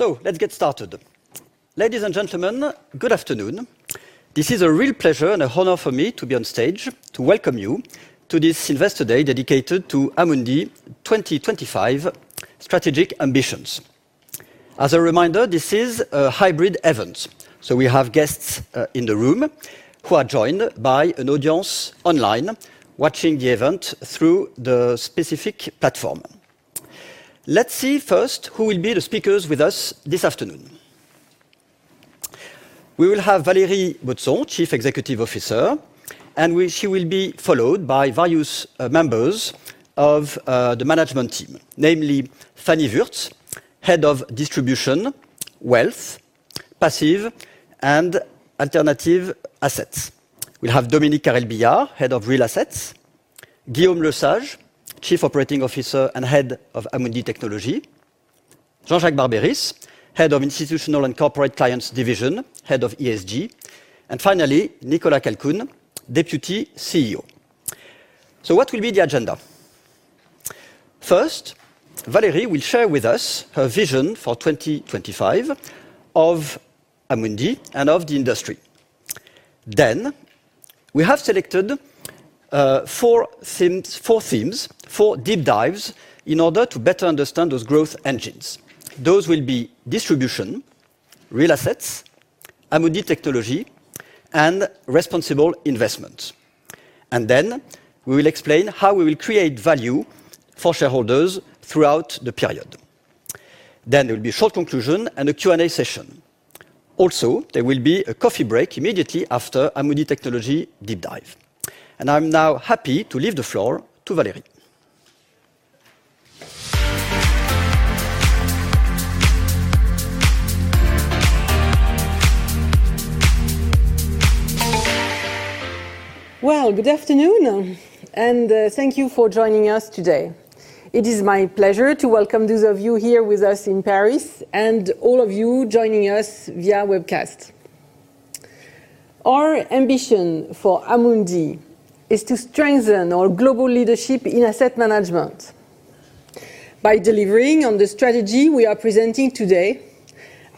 Let's get started. Ladies and gentlemen, good afternoon. This is a real pleasure and an honor for me to be on stage to welcome you to this investor day dedicated to Amundi 2025 Strategic Ambitions. As a reminder, this is a hybrid event, so we have guests in the room who are joined by an audience online, watching the event through the specific platform. Let's see first who will be the speakers with us this afternoon. We will have Valérie Baudson, Chief Executive Officer. She will be followed by various members of the management team, namely Fannie Wurtz, Head of Distribution, Wealth, Passive and Alternative Assets. We'll have Dominique Carrel-Billiard, Head of Real Assets. Guillaume Lesage, Chief Operating Officer and Head of Amundi Technology. Jean-Jacques Barbéris, Head of Institutional and Corporate Clients Division, Head of ESG. Finally, Nicolas Calcoen, Deputy CEO. What will be the agenda? First, Valérie will share with us her vision for 2025 of Amundi and of the industry. We have selected four themes, four deep dives in order to better understand those growth engines. Those will be distribution, real assets, Amundi Technology, and responsible investment. We will explain how we will create value for shareholders throughout the period. There will be a short conclusion and a Q&A session. There will be a coffee break immediately after Amundi Technology deep dive. I'm now happy to leave the floor to Valérie. Well, good afternoon, and thank you for joining us today. It is my pleasure to welcome those of you here with us in Paris and all of you joining us via webcast. Our ambition for Amundi is to strengthen our global leadership in asset management. By delivering on the strategy we are presenting today,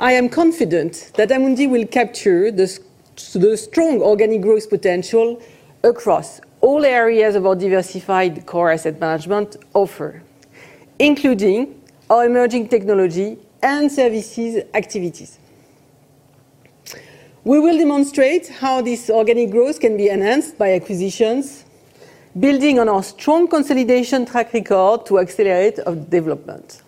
I am confident that Amundi will capture the strong organic growth potential across all areas of our diversified core asset management offer, including our emerging technology and services activities. We will demonstrate how this organic growth can be enhanced by acquisitions, building on our strong consolidation track record to accelerate our development.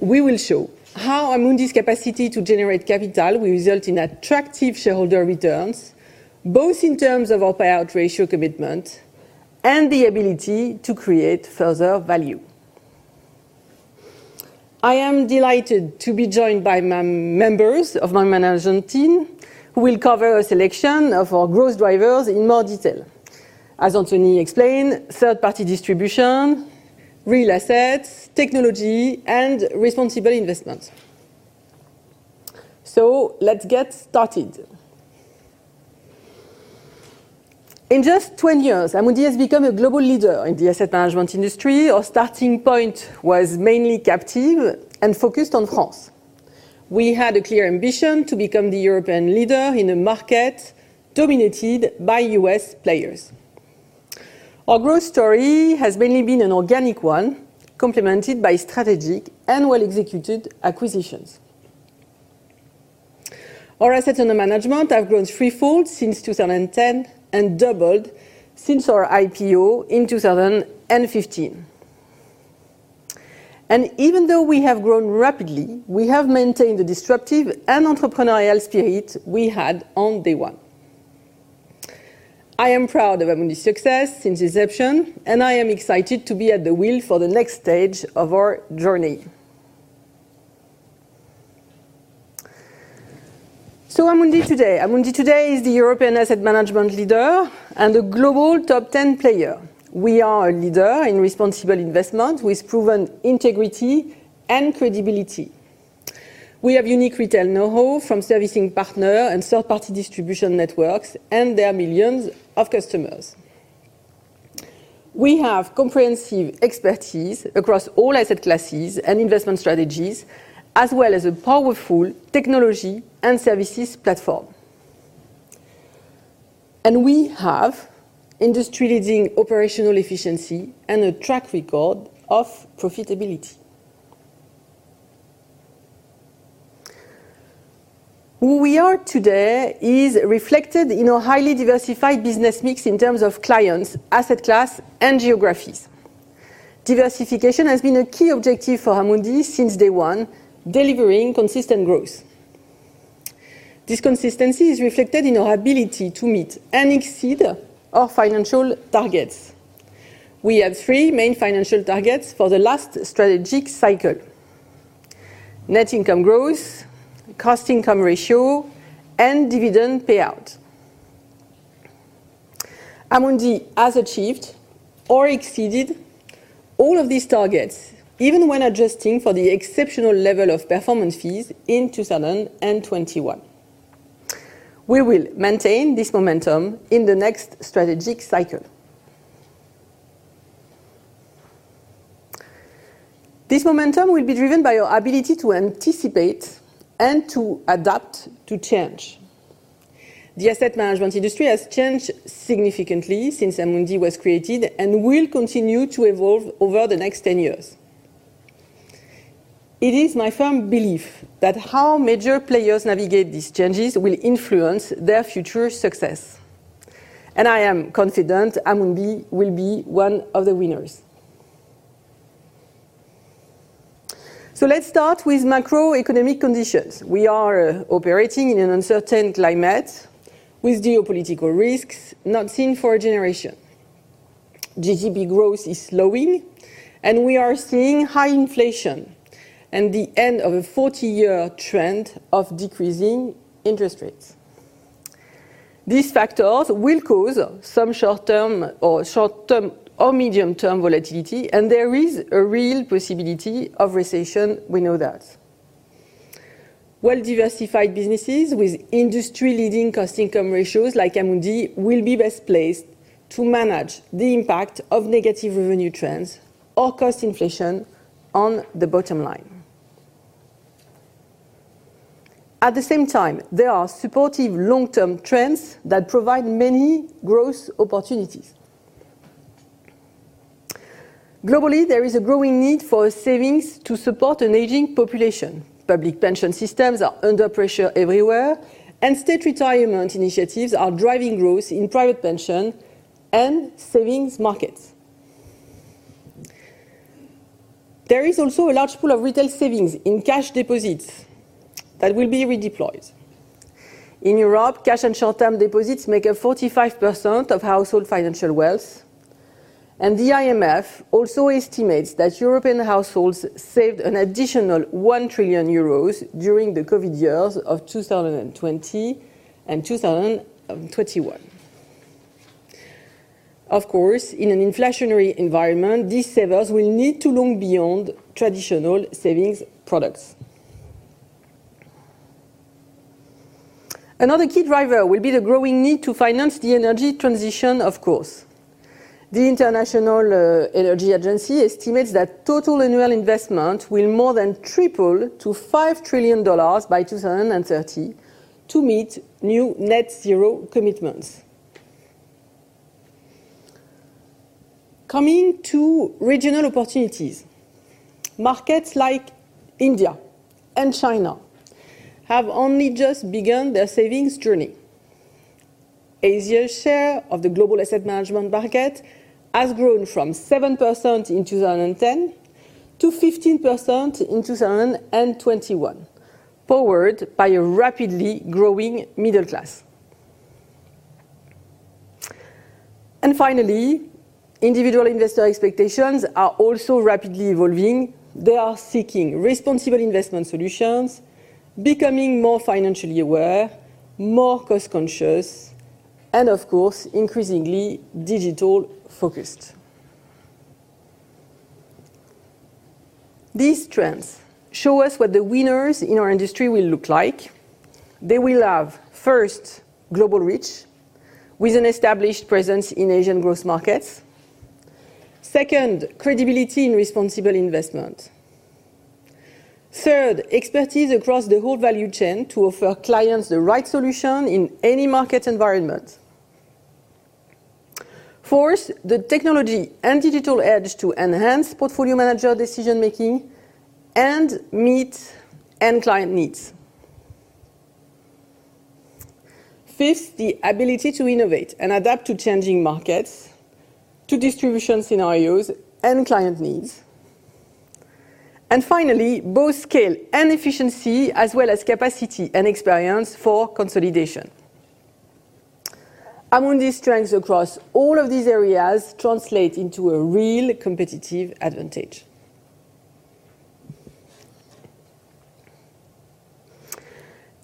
We will show how Amundi's capacity to generate capital will result in attractive shareholder returns, both in terms of our payout ratio commitment and the ability to create further value. I am delighted to be joined by members of my management team, who will cover a selection of our growth drivers in more detail. As Anthony explained, third-party distribution, real assets, technology, and responsible investment. Let's get started. In just 20 years, Amundi has become a global leader in the asset management industry. Our starting point was mainly captive and focused on France. We had a clear ambition to become the European leader in a market dominated by U.S. players. Our growth story has mainly been an organic one, complemented by strategic and well-executed acquisitions. Our assets under management have grown threefold since 2010 and doubled since our IPO in 2015. Even though we have grown rapidly, we have maintained the disruptive and entrepreneurial spirit we had on day one. I am proud of Amundi's success since inception, and I am excited to be at the wheel for the next stage of our journey. Amundi today. Amundi today is the European asset management leader and a global top ten player. We are a leader in responsible investment with proven integrity and credibility. We have unique retail knowhow from servicing partner and third-party distribution networks and their millions of customers. We have comprehensive expertise across all asset classes and investment strategies, as well as a powerful technology and services platform. We have industry-leading operational efficiency and a track record of profitability. Who we are today is reflected in our highly diversified business mix in terms of clients, asset class, and geographies. Diversification has been a key objective for Amundi since day one, delivering consistent growth. This consistency is reflected in our ability to meet and exceed our financial targets. We have three main financial targets for the last strategic cycle: net income growth, cost income ratio, and dividend payout. Amundi has achieved or exceeded all of these targets, even when adjusting for the exceptional level of performance fees in 2021. We will maintain this momentum in the next strategic cycle. This momentum will be driven by our ability to anticipate and to adapt to change. The asset management industry has changed significantly since Amundi was created and will continue to evolve over the next 10 years. It is my firm belief that how major players navigate these changes will influence their future success, and I am confident Amundi will be one of the winners. Let's start with macroeconomic conditions. We are operating in an uncertain climate with geopolitical risks not seen for a generation. GDP growth is slowing, and we are seeing high inflation and the end of a 40-year trend of decreasing interest rates. These factors will cause some short-term or medium-term volatility, and there is a real possibility of recession. We know that. Well-diversified businesses with industry-leading cost income ratios like Amundi will be best placed to manage the impact of negative revenue trends or cost inflation on the bottom line. At the same time, there are supportive long-term trends that provide many growth opportunities. Globally, there is a growing need for savings to support an aging population. Public pension systems are under pressure everywhere, and state retirement initiatives are driving growth in private pension and savings markets. There is also a large pool of retail savings in cash deposits that will be redeployed. In Europe, cash and short-term deposits make up 45% of household financial wealth, and the IMF also estimates that European households saved an additional 1 trillion euros during the COVID years of 2020 and 2021. Of course, in an inflationary environment, these savers will need to look beyond traditional savings products. Another key driver will be the growing need to finance the energy transition, of course. The International Energy Agency estimates that total annual investment will more than triple to $5 trillion by 2030 to meet new net zero commitments. Coming to regional opportunities, markets like India and China have only just begun their savings journey. Asia's share of the global asset management market has grown from 7% in 2010 to 15% in 2021, powered by a rapidly growing middle class. Finally, individual investor expectations are also rapidly evolving. They are seeking responsible investment solutions, becoming more financially aware, more cost-conscious, and of course, increasingly digital-focused. These trends show us what the winners in our industry will look like. They will have, first, global reach with an established presence in Asian growth markets. Second, credibility in responsible investment. Third, expertise across the whole value chain to offer clients the right solution in any market environment. Fourth, the technology and digital edge to enhance portfolio manager decision-making and meet end client needs. Fifth, the ability to innovate and adapt to changing markets, to distribution scenarios, and client needs. Finally, both scale and efficiency as well as capacity and experience for consolidation. Amundi's strengths across all of these areas translate into a real competitive advantage.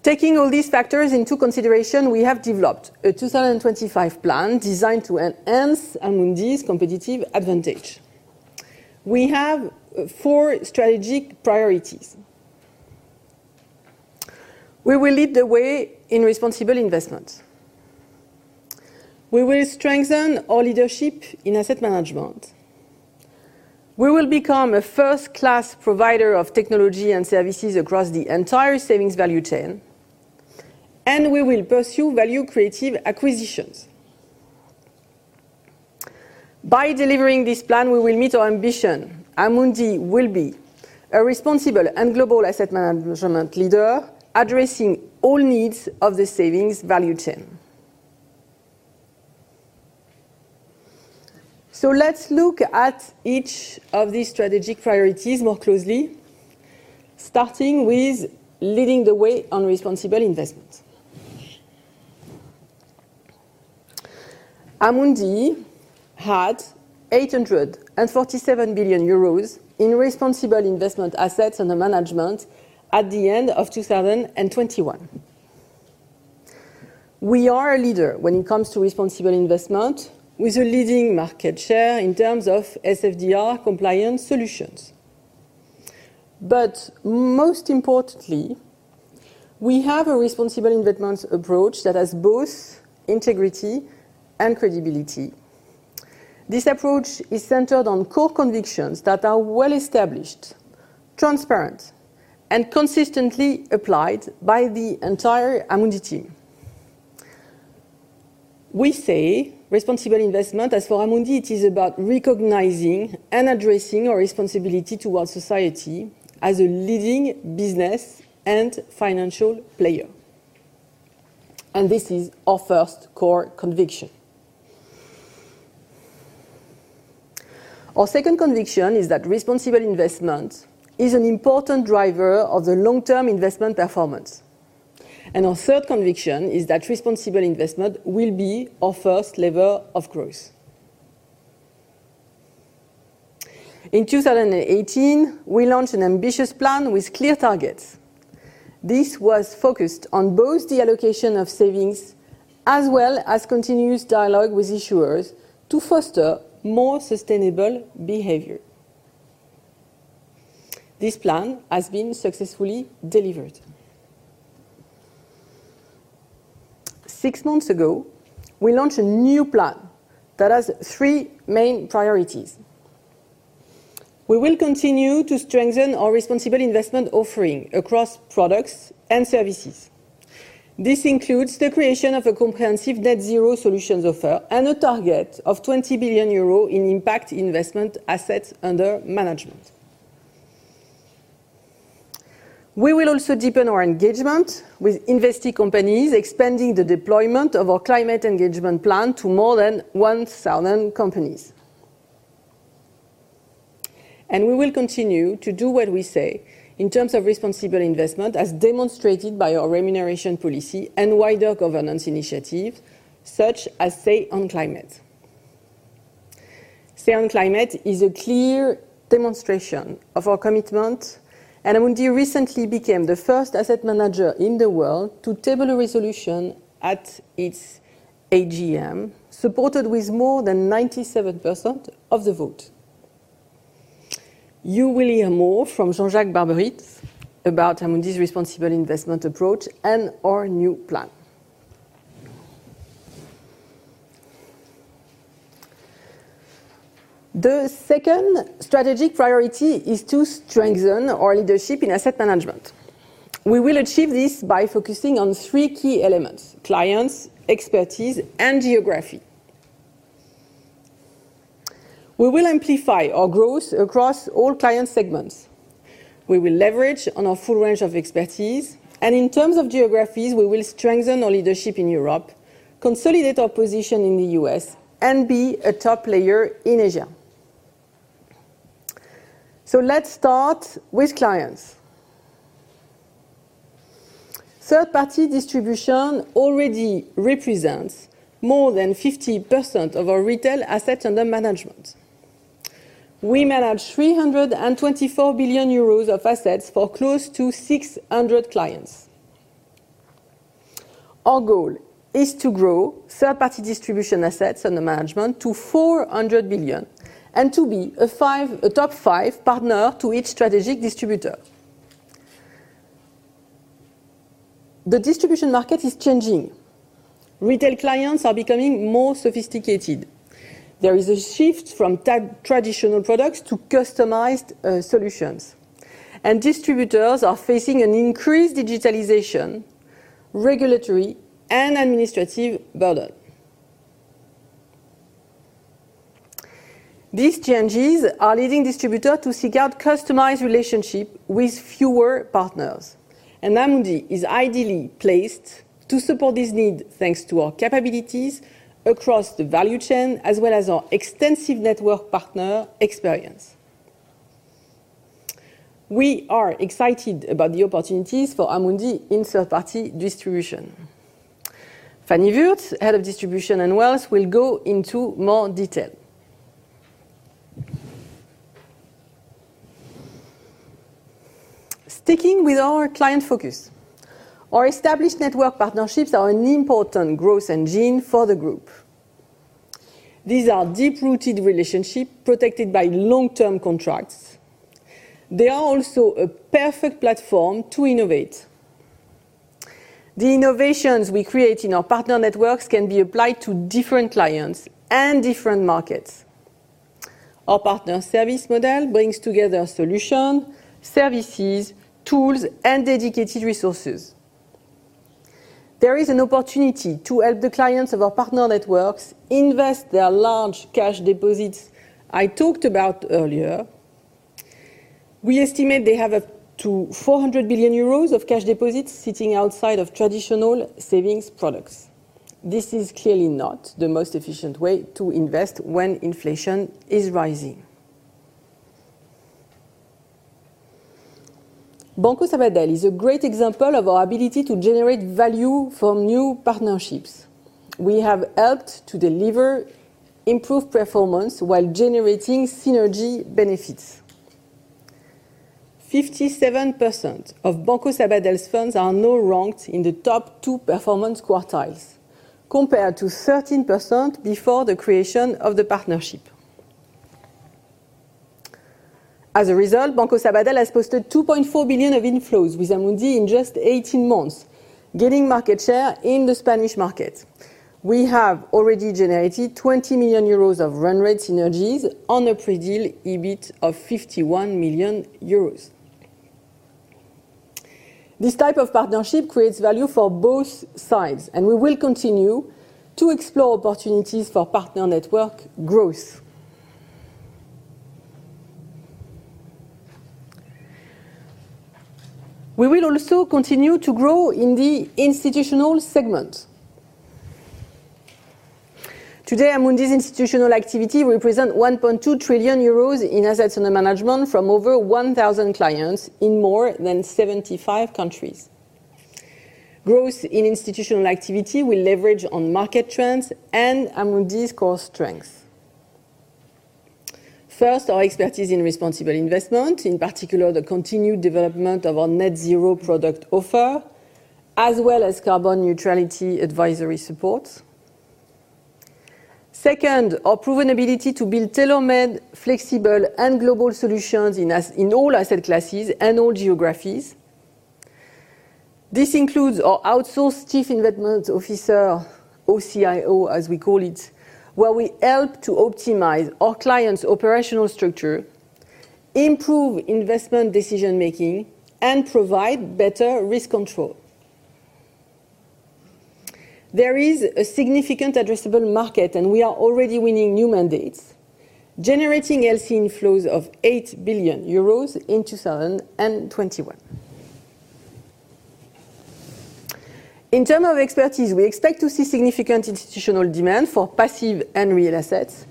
Taking all these factors into consideration, we have developed a 2025 plan designed to enhance Amundi's competitive advantage. We have four strategic priorities. We will lead the way in responsible investment. We will strengthen our leadership in asset management. We will become a first-class provider of technology and services across the entire savings value chain, and we will pursue value-creative acquisitions. By delivering this plan, we will meet our ambition. Amundi will be a responsible and global asset management leader addressing all needs of the savings value chain. Let's look at each of these strategic priorities more closely, starting with leading the way on responsible investment. Amundi had 847 billion euros in responsible investment assets under management at the end of 2021. We are a leader when it comes to responsible investment, with a leading market share in terms of SFDR compliance solutions. But most importantly, we have a responsible investment approach that has both integrity and credibility. This approach is centered on core convictions that are well established, transparent, and consistently applied by the entire Amundi team. We see responsible investment as for Amundi, it is about recognizing and addressing our responsibility towards society as a leading business and financial player. This is our first core conviction. Our second conviction is that responsible investment is an important driver of the long-term investment performance. Our third conviction is that responsible investment will be our first lever of growth. In 2018, we launched an ambitious plan with clear targets. This was focused on both the allocation of savings as well as continuous dialogue with issuers to foster more sustainable behavior. This plan has been successfully delivered. Six months ago, we launched a new plan that has three main priorities. We will continue to strengthen our responsible investment offering across products and services. This includes the creation of a comprehensive net zero solutions offer and a target of 20 billion euro in impact investment assets under management. We will also deepen our engagement with investee companies, expanding the deployment of our climate engagement plan to more than 1,000 companies. We will continue to do what we say in terms of responsible investment, as demonstrated by our remuneration policy and wider governance initiative, such as Say on Climate. Say on Climate is a clear demonstration of our commitment, and Amundi recently became the first asset manager in the world to table a resolution at its AGM, supported with more than 97% of the vote. You will hear more from Jean-Jacques Barbéris about Amundi's responsible investment approach and our new plan. The second strategic priority is to strengthen our leadership in asset management. We will achieve this by focusing on three key elements, clients, expertise, and geography. We will amplify our growth across all client segments. We will leverage on our full range of expertise, and in terms of geographies, we will strengthen our leadership in Europe, consolidate our position in the U.S., and be a top player in Asia. Let's start with clients. Third-party distribution already represents more than 50% of our retail assets under management. We manage 324 billion euros of assets for close to 600 clients. Our goal is to grow third-party distribution assets under management to 400 billion and to be a top five partner to each strategic distributor. The distribution market is changing. Retail clients are becoming more sophisticated. There is a shift from traditional products to customized solutions. Distributors are facing an increased digitalization, regulatory, and administrative burden. These changes are leading distributors to seek out customized relationships with fewer partners. Amundi is ideally placed to support this need, thanks to our capabilities across the value chain, as well as our extensive network partner experience. We are excited about the opportunities for Amundi in third-party distribution. Fannie Wurtz, Head of Distribution and Wealth, will go into more detail. Sticking with our client focus, our established network partnerships are an important growth engine for the group. These are deep-rooted relationships protected by long-term contracts. They are also a perfect platform to innovate. The innovations we create in our partner networks can be applied to different clients and different markets. Our partner service model brings together solution, services, tools, and dedicated resources. There is an opportunity to help the clients of our partner networks invest their large cash deposits I talked about earlier. We estimate they have up to 400 billion euros of cash deposits sitting outside of traditional savings products. This is clearly not the most efficient way to invest when inflation is rising. Banco Sabadell is a great example of our ability to generate value from new partnerships. We have helped to deliver improved performance while generating synergy benefits. 57% of Banco Sabadell's funds are now ranked in the top two performance quartiles. Compared to 13% before the creation of the partnership. As a result, Banco Sabadell has posted 2.4 billion of inflows with Amundi in just 18 months, gaining market share in the Spanish market. We have already generated 20 million euros of run rate synergies on a pre-deal EBIT of 51 million euros. This type of partnership creates value for both sides, and we will continue to explore opportunities for partner network growth. We will also continue to grow in the institutional segment. Today, Amundi's institutional activity represent 1.2 trillion euros in assets under management from over 1,000 clients in more than 75 countries. Growth in institutional activity will leverage on market trends and Amundi's core strengths. First, our expertise in responsible investment, in particular, the continued development of our net zero product offer, as well as carbon neutrality advisory support. Second, our proven ability to build tailor-made, flexible, and global solutions in all asset classes and all geographies. This includes our outsourced chief investment officer, OCIO, as we call it, where we help to optimize our clients' operational structure, improve investment decision-making, and provide better risk control. There is a significant addressable market, and we are already winning new mandates, generating OCIO inflows of 8 billion euros in 2021. In terms of expertise, we expect to see significant institutional demand for passive and real assets,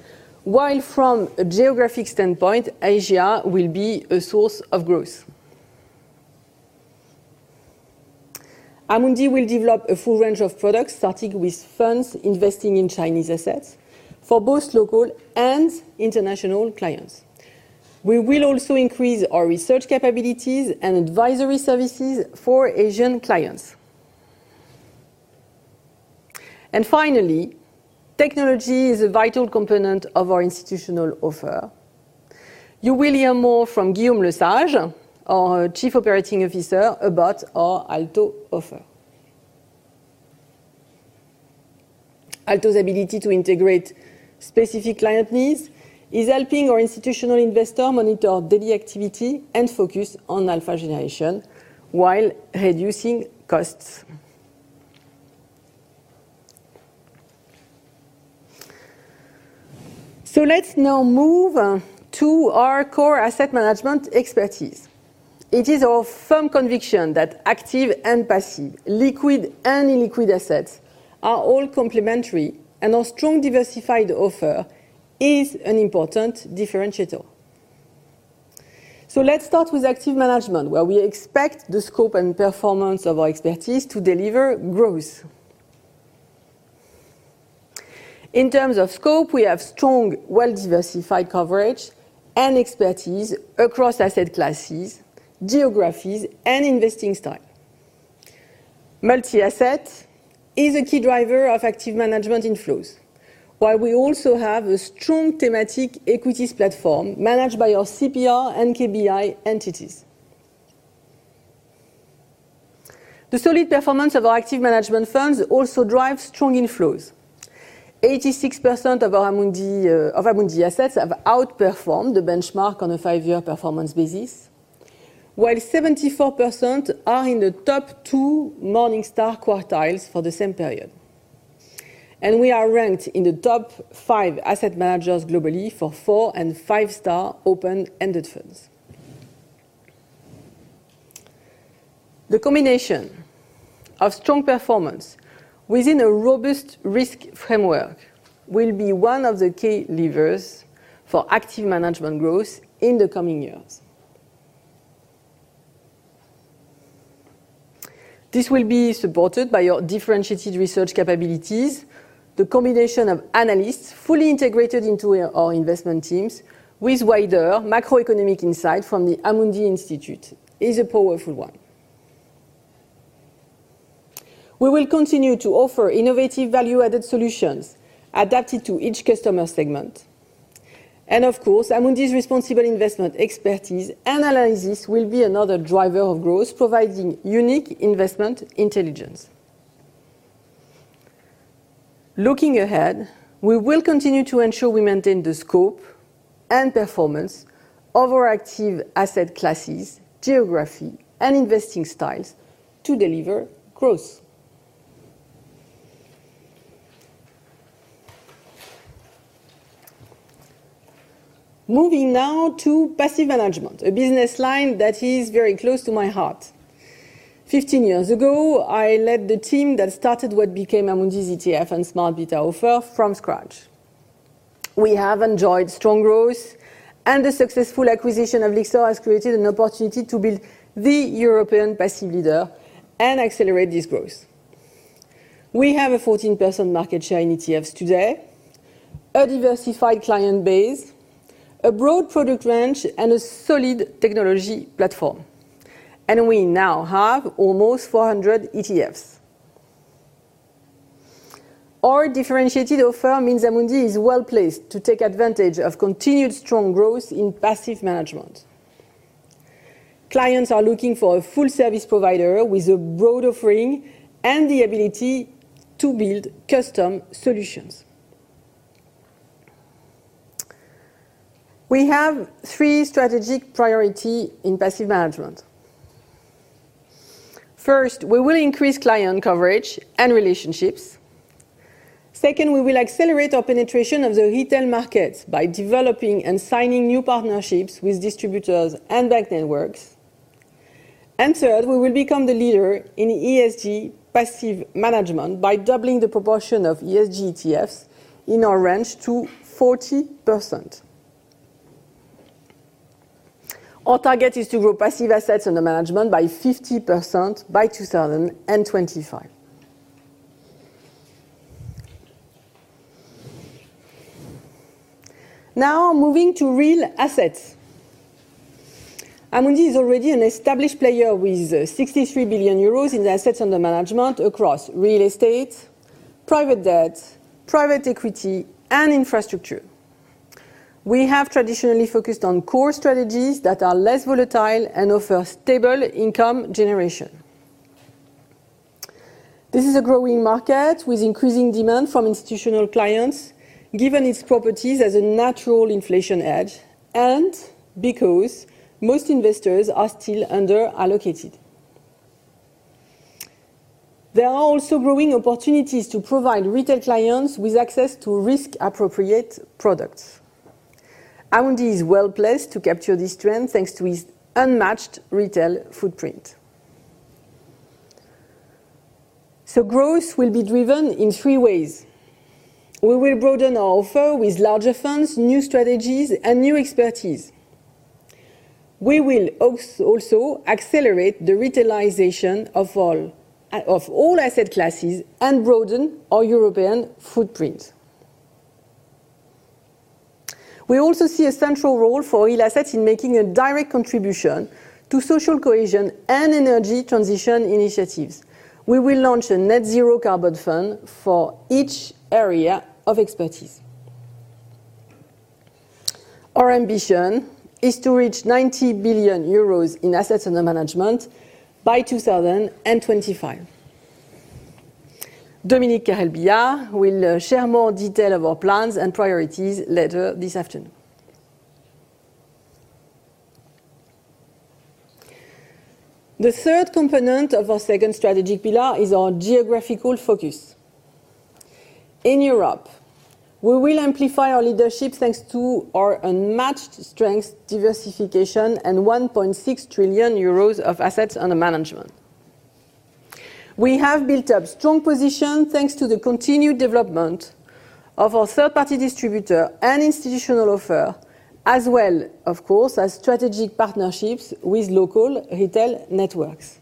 while from a geographic standpoint, Asia will be a source of growth. Amundi will develop a full range of products, starting with funds investing in Chinese assets for both local and international clients. We will also increase our research capabilities and advisory services for Asian clients. Finally, technology is a vital component of our institutional offer. You will hear more from Guillaume Lesage, our Chief Operating Officer, about our ALTO offer. ALTO's ability to integrate specific client needs is helping our institutional investor monitor daily activity and focus on alpha generation while reducing costs. Let's now move to our core asset management expertise. It is our firm conviction that active and passive, liquid and illiquid assets are all complementary, and our strong diversified offer is an important differentiator. Let's start with active management, where we expect the scope and performance of our expertise to deliver growth. In terms of scope, we have strong, well-diversified coverage and expertise across asset classes, geographies, and investing style. Multi-asset is a key driver of active management inflows, while we also have a strong thematic equities platform managed by our CPR and KBI entities. The solid performance of our active management firms also drives strong inflows. 86% of our Amundi assets have outperformed the benchmark on a five-year performance basis, while 74% are in the top two Morningstar quartiles for the same period. We are ranked in the top five asset managers globally for 4- and 5-star open-ended funds. The combination of strong performance within a robust risk framework will be one of the key levers for active management growth in the coming years. This will be supported by our differentiated research capabilities, the combination of analysts fully integrated into our investment teams with wider macroeconomic insight from the Amundi Institute is a powerful one. We will continue to offer innovative value-added solutions adapted to each customer segment. Of course, Amundi's responsible investment expertise analysis will be another driver of growth, providing unique investment intelligence. Looking ahead, we will continue to ensure we maintain the scope and performance of our active asset classes, geography, and investing styles to deliver growth. Moving now to passive management, a business line that is very close to my heart. 15 years ago, I led the team that started what became Amundi's ETF and smart beta offer from scratch. We have enjoyed strong growth and the successful acquisition of Lyxor has created an opportunity to build the European passive leader and accelerate this growth. We have a 14% market share in ETFs today, a diversified client base, a broad product range, and a solid technology platform. We now have almost 400 ETFs. Our differentiated offer means Amundi is well-placed to take advantage of continued strong growth in passive management. Clients are looking for a full service provider with a broad offering and the ability to build custom solutions. We have three strategic priority in passive management. First, we will increase client coverage and relationships. Second, we will accelerate our penetration of the retail market by developing and signing new partnerships with distributors and bank networks. Third, we will become the leader in ESG passive management by doubling the proportion of ESG ETFs in our range to 40%. Our target is to grow passive assets under management by 50% by 2025. Now moving to real assets. Amundi is already an established player with 63 billion euros in assets under management across real estate, private debt, private equity, and infrastructure. We have traditionally focused on core strategies that are less volatile and offer stable income generation. This is a growing market with increasing demand from institutional clients, given its properties as a natural inflation hedge, and because most investors are still under-allocated. There are also growing opportunities to provide retail clients with access to risk-appropriate products. Amundi is well-placed to capture this trend, thanks to its unmatched retail footprint. Growth will be driven in three ways. We will broaden our offer with larger funds, new strategies, and new expertise. We will also accelerate the retailization of all asset classes and broaden our European footprint. We also see a central role for real assets in making a direct contribution to social cohesion and energy transition initiatives. We will launch a net zero carbon fund for each area of expertise. Our ambition is to reach 90 billion euros in assets under management by 2025. Dominique Carrel-Billiard will share more detail of our plans and priorities later this afternoon. The third component of our second strategic pillar is our geographical focus. In Europe, we will amplify our leadership, thanks to our unmatched strength, diversification, and 1.6 trillion euros of assets under management. We have built up strong position, thanks to the continued development of our third-party distributor and institutional offer, as well, of course, as strategic partnerships with local retail networks.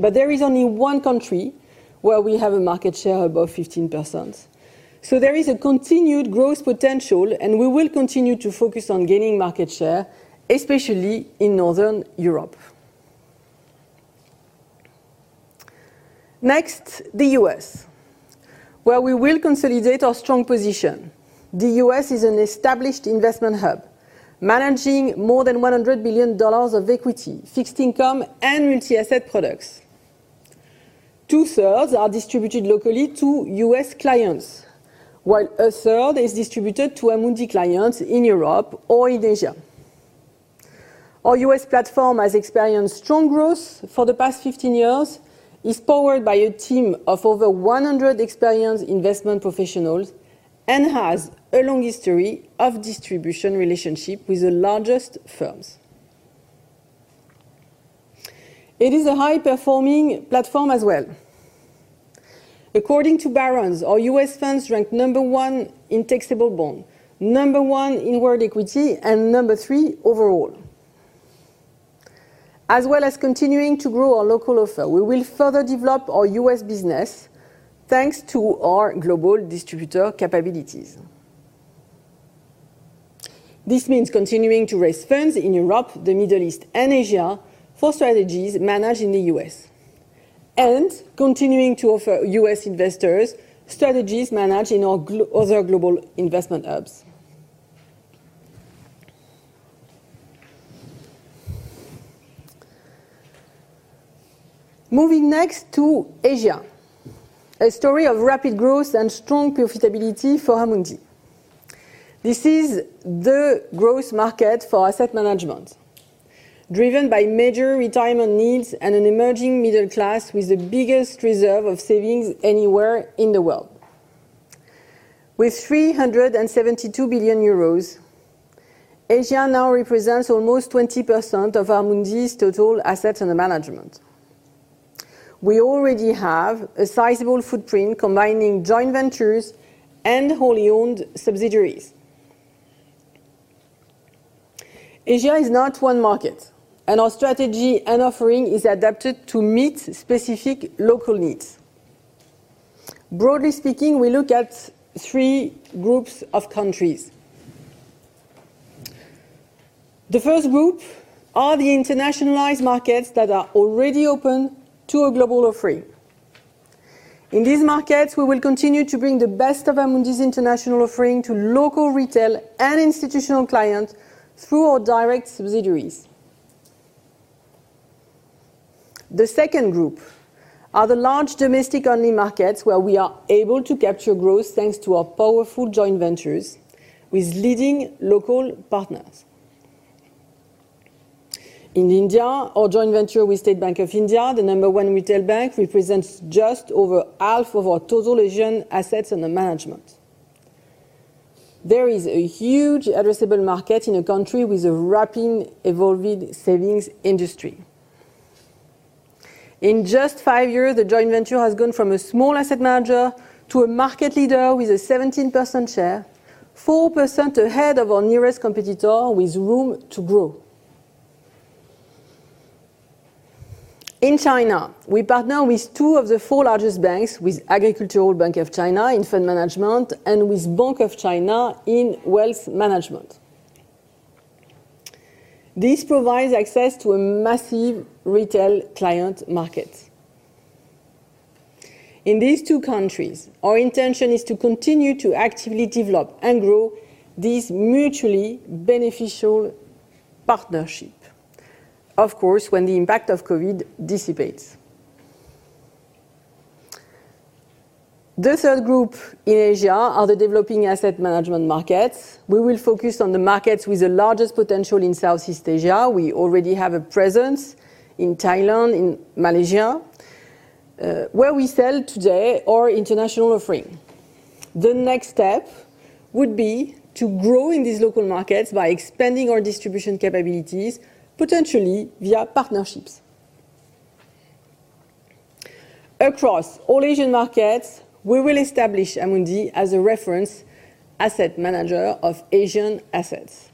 There is only one country where we have a market share above 15%, so there is a continued growth potential, and we will continue to focus on gaining market share, especially in Northern Europe. Next, the U.S., where we will consolidate our strong position. The U.S. is an established investment hub, managing more than $100 billion of equity, fixed income, and multi-asset products. Two-thirds are distributed locally to U.S. clients, while a third is distributed to Amundi clients in Europe or in Asia. Our U.S. platform has experienced strong growth for the past 15 years, is powered by a team of over 100 experienced investment professionals, and has a long history of distribution relationship with the largest firms. It is a high-performing platform as well. According to Barron's, our U.S. funds ranked number one in taxable bond, number one in world equity, and number three overall. As well as continuing to grow our local offer, we will further develop our U.S. business, thanks to our global distributor capabilities. This means continuing to raise funds in Europe, the Middle East, and Asia for strategies managed in the US, and continuing to offer US investors strategies managed in our other global investment hubs. Moving next to Asia, a story of rapid growth and strong profitability for Amundi. This is the growth market for asset management, driven by major retirement needs and an emerging middle class with the biggest reserve of savings anywhere in the world. With 372 billion euros, Asia now represents almost 20% of Amundi's total assets under management. We already have a sizable footprint combining joint ventures and wholly owned subsidiaries. Asia is not one market, and our strategy and offering is adapted to meet specific local needs. Broadly speaking, we look at three groups of countries. The first group are the internationalized markets that are already open to a global offering. In these markets, we will continue to bring the best of Amundi's international offering to local, retail, and institutional clients through our direct subsidiaries. The second group are the large domestic-only markets where we are able to capture growth thanks to our powerful joint ventures with leading local partners. In India, our joint venture with State Bank of India, the number one retail bank, represents just over half of our total Asian assets under management. There is a huge addressable market in a country with a rapidly evolving savings industry. In just five years, the joint venture has gone from a small asset manager to a market leader with a 17% share, 4% ahead of our nearest competitor, with room to grow. In China, we partner with two of the four largest banks, with Agricultural Bank of China in fund management and with Bank of China in wealth management. This provides access to a massive retail client market. In these two countries, our intention is to continue to actively develop and grow this mutually beneficial partnership, of course, when the impact of COVID dissipates. The third group in Asia are the developing asset management markets. We will focus on the markets with the largest potential in Southeast Asia. We already have a presence in Thailand, in Malaysia, where we sell today our international offering. The next step would be to grow in these local markets by expanding our distribution capabilities, potentially via partnerships. Across all Asian markets, we will establish Amundi as a reference asset manager of Asian assets.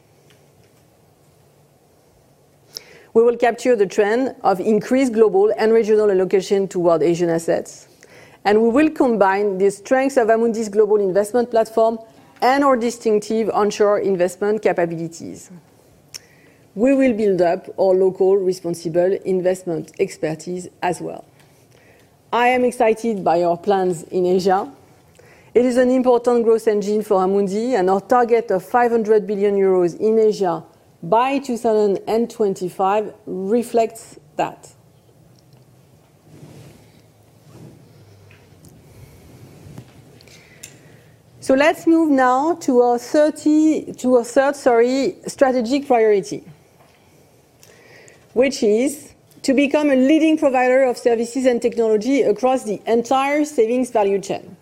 We will capture the trend of increased global and regional allocation toward Asian assets, and we will combine the strengths of Amundi's global investment platform and our distinctive onshore investment capabilities. We will build up our local responsible investment expertise as well. I am excited by our plans in Asia. It is an important growth engine for Amundi, and our target of 500 billion euros in Asia by 2025 reflects that. Let's move now to our third strategic priority, which is to become a leading provider of services and technology across the entire savings value chain.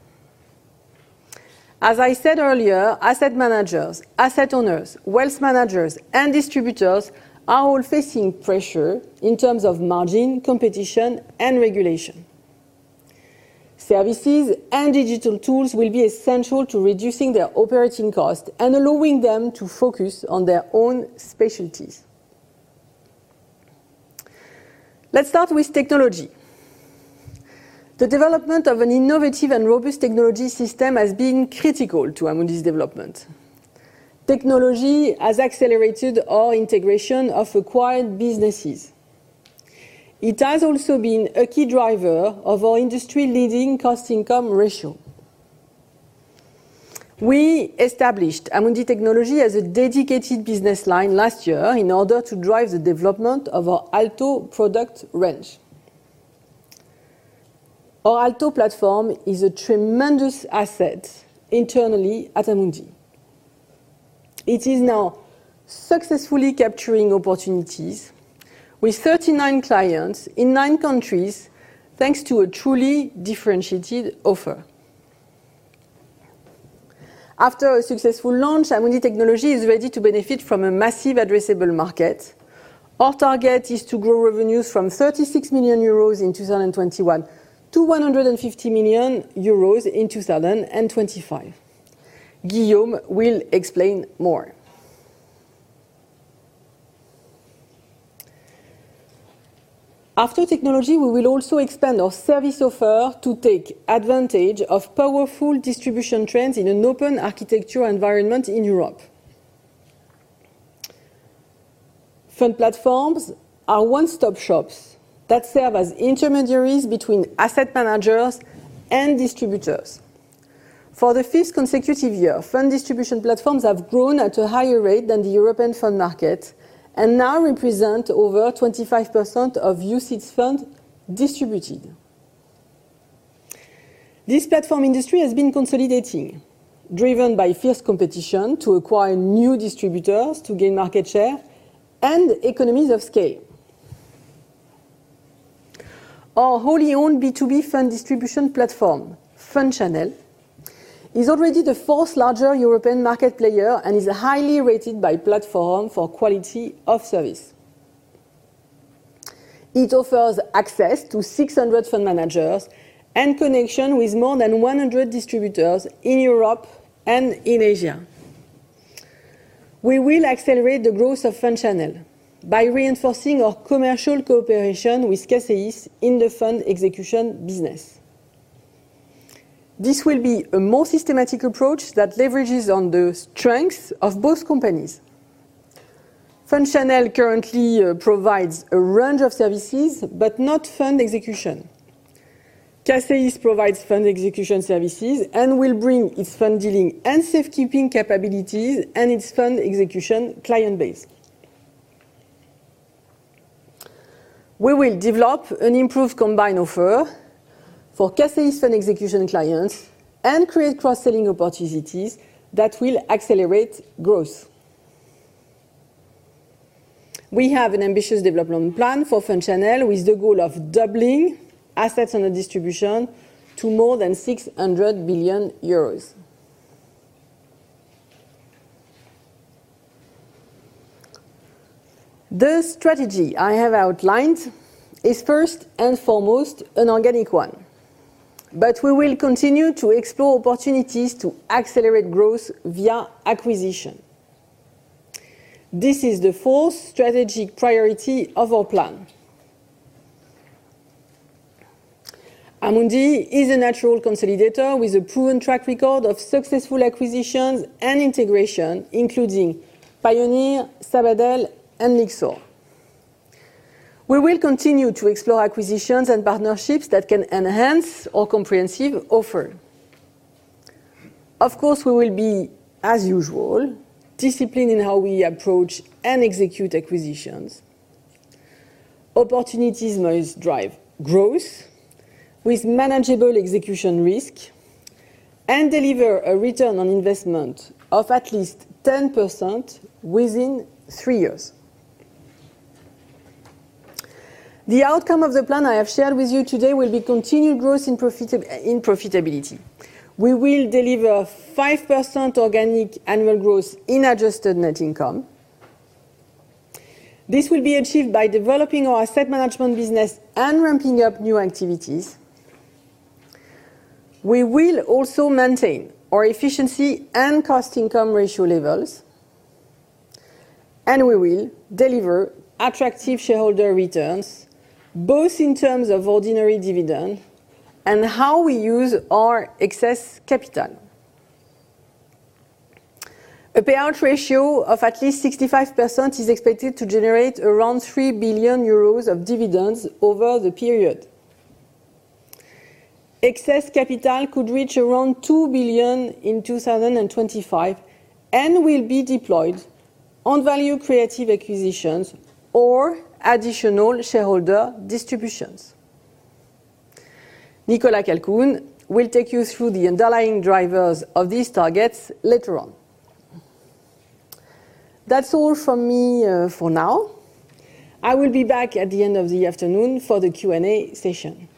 As I said earlier, asset managers, asset owners, wealth managers, and distributors are all facing pressure in terms of margin, competition, and regulation. Services and digital tools will be essential to reducing their operating costs and allowing them to focus on their own specialties. Let's start with technology. The development of an innovative and robust technology system has been critical to Amundi's development. Technology has accelerated our integration of acquired businesses. It has also been a key driver of our industry-leading cost-income ratio. We established Amundi Technology as a dedicated business line last year in order to drive the development of our ALTO product range. Our ALTO platform is a tremendous asset internally at Amundi. It is now successfully capturing opportunities with 39 clients in nine countries, thanks to a truly differentiated offer. After a successful launch, Amundi Technology is ready to benefit from a massive addressable market. Our target is to grow revenues from 36 million euros in 2021 to 150 million euros in 2025. Guillaume will explain more. After technology, we will also expand our service offer to take advantage of powerful distribution trends in an open architecture environment in Europe. Fund platforms are one-stop shops that serve as intermediaries between asset managers and distributors. For the fifth consecutive year, fund distribution platforms have grown at a higher rate than the European fund market and now represent over 25% of UCITS funds distributed. This platform industry has been consolidating, driven by fierce competition to acquire new distributors to gain market share and economies of scale. Our wholly owned B2B fund distribution platform, Fund Channel, is already the fourth largest European market player and is highly rated by platforms for quality of service. It offers access to 600 fund managers and connection with more than 100 distributors in Europe and in Asia. We will accelerate the growth of Fund Channel by reinforcing our commercial cooperation with CACEIS in the fund execution business. This will be a more systematic approach that leverages on the strengths of both companies. Fund Channel currently provides a range of services, but not fund execution. CACEIS provides fund execution services and will bring its fund dealing and safekeeping capabilities and its fund execution client base. We will develop an improved combined offer for CACEIS fund execution clients and create cross-selling opportunities that will accelerate growth. We have an ambitious development plan for Fund Channel with the goal of doubling assets under distribution to more than 600 billion euros. The strategy I have outlined is first and foremost an organic one, but we will continue to explore opportunities to accelerate growth via acquisition. This is the fourth strategic priority of our plan. Amundi is a natural consolidator with a proven track record of successful acquisitions and integration, including Pioneer, Sabadell, and Lyxor. We will continue to explore acquisitions and partnerships that can enhance our comprehensive offer. Of course, we will be, as usual, disciplined in how we approach and execute acquisitions. Opportunities must drive growth with manageable execution risk and deliver a return on investment of at least 10% within three years. The outcome of the plan I have shared with you today will be continued growth in profitability. We will deliver 5% organic annual growth in adjusted net income. This will be achieved by developing our asset management business and ramping up new activities. We will also maintain our efficiency and cost income ratio levels, and we will deliver attractive shareholder returns, both in terms of ordinary dividend and how we use our excess capital. A payout ratio of at least 65% is expected to generate around 3 billion euros of dividends over the period. Excess capital could reach around 2 billion in 2025 and will be deployed on value creative acquisitions or additional shareholder distributions. Nicolas Calcoen will take you through the underlying drivers of these targets later on. That's all from me, for now. I will be back at the end of the afternoon for the Q&A session.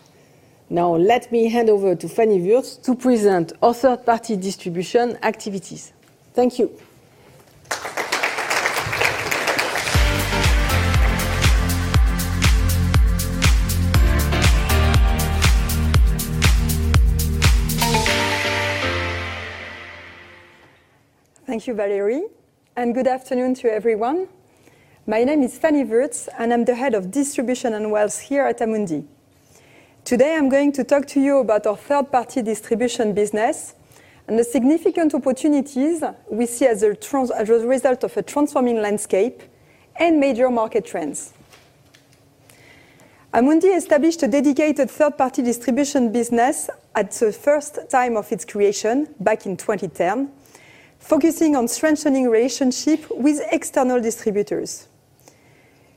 Now let me hand over to Fannie Wurtz to present our third-party distribution activities. Thank you. Thank you, Valérie, and good afternoon to everyone. My name is Fannie Wurtz, and I'm the head of Distribution and Wealth here at Amundi. Today, I'm going to talk to you about our third-party distribution business and the significant opportunities we see as a result of a transforming landscape and major market trends. Amundi established a dedicated third-party distribution business at the first time of its creation back in 2010, focusing on strengthening relationship with external distributors.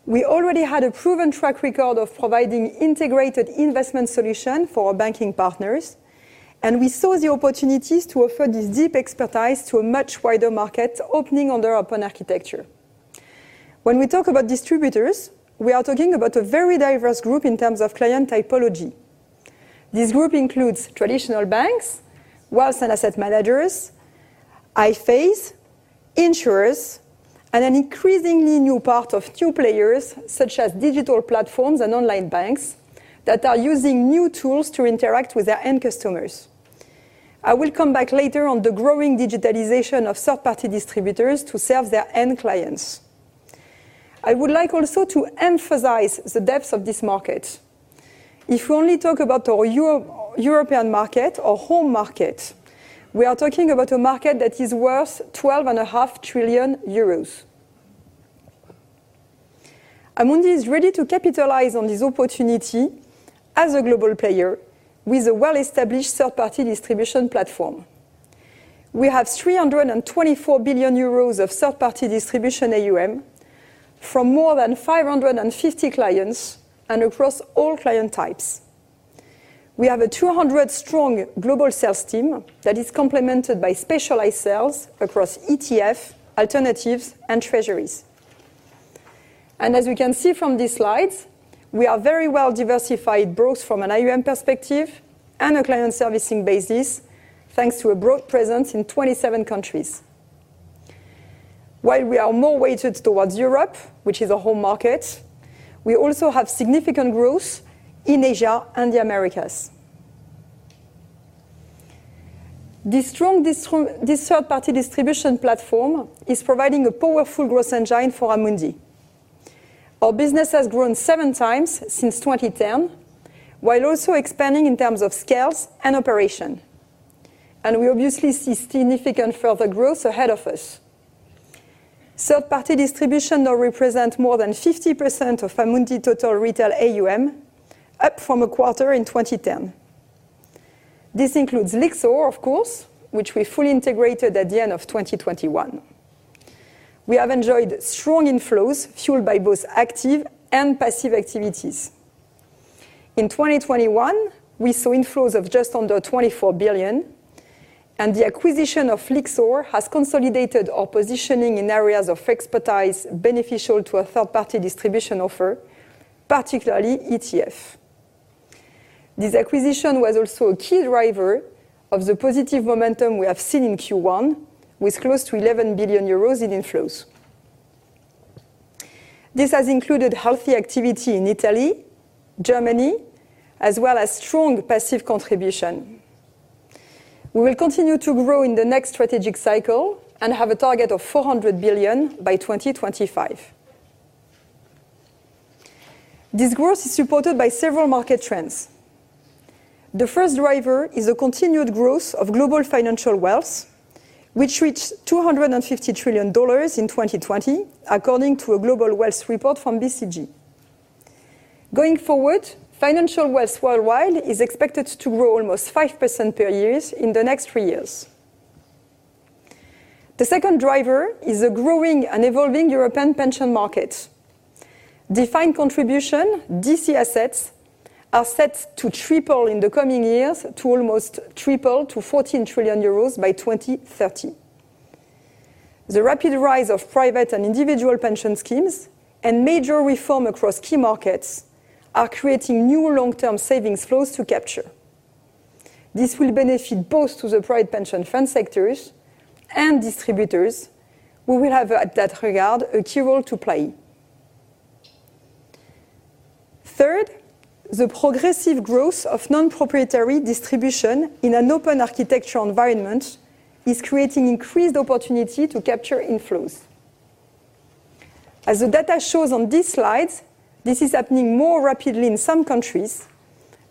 We already had a proven track record of providing integrated investment solution for our banking partners, and we saw the opportunities to offer this deep expertise to a much wider market opening under open architecture. When we talk about distributors, we are talking about a very diverse group in terms of client typology. This group includes traditional banks, wealth and asset managers, IFAs, insurers, and an increasingly new part of new players such as digital platforms and online banks that are using new tools to interact with their end customers. I will come back later on the growing digitalization of third-party distributors to serve their end clients. I would like also to emphasize the depth of this market. If we only talk about our European market or home market, we are talking about a market that is worth 12.5 trillion euros. Amundi is ready to capitalize on this opportunity as a global player with a well-established third-party distribution platform. We have 324 billion euros of third-party distribution AUM from more than 550 clients and across all client types. We have a 200-strong global sales team that is complemented by specialized sales across ETF, alternatives, and treasuries. As we can see from these slides, we are very well-diversified, both from an AUM perspective and a client servicing basis, thanks to a broad presence in 27 countries. While we are more weighted towards Europe, which is a home market, we also have significant growth in Asia and the Americas. This third-party distribution platform is providing a powerful growth engine for Amundi. Our business has grown seven times since 2010, while also expanding in terms of scale and operations. We obviously see significant further growth ahead of us. Third-party distribution now represent more than 50% of Amundi total retail AUM, up from 25% in 2010. This includes Lyxor, of course, which we fully integrated at the end of 2021. We have enjoyed strong inflows fueled by both active and passive activities. In 2021, we saw inflows of just under 24 billion, and the acquisition of Lyxor has consolidated our positioning in areas of expertise beneficial to a third-party distribution offer, particularly ETF. This acquisition was also a key driver of the positive momentum we have seen in Q1, with close to 11 billion euros in inflows. This has included healthy activity in Italy, Germany, as well as strong passive contribution. We will continue to grow in the next strategic cycle and have a target of 400 billion by 2025. This growth is supported by several market trends. The first driver is a continued growth of global financial wealth, which reached $250 trillion in 2020, according to a global wealth report from BCG. Going forward, financial wealth worldwide is expected to grow almost 5% per year in the next three years. The second driver is a growing and evolving European pension market. Defined contribution, DC assets, are set to triple in the coming years to almost 14 trillion euros by 2030. The rapid rise of private and individual pension schemes and major reform across key markets are creating new long-term savings flows to capture. This will benefit both the private pension fund sectors and distributors who will have, in that regard, a key role to play. Third, the progressive growth of non-proprietary distribution in an open architecture environment is creating increased opportunities to capture inflows. As the data shows on this slide, this is happening more rapidly in some countries,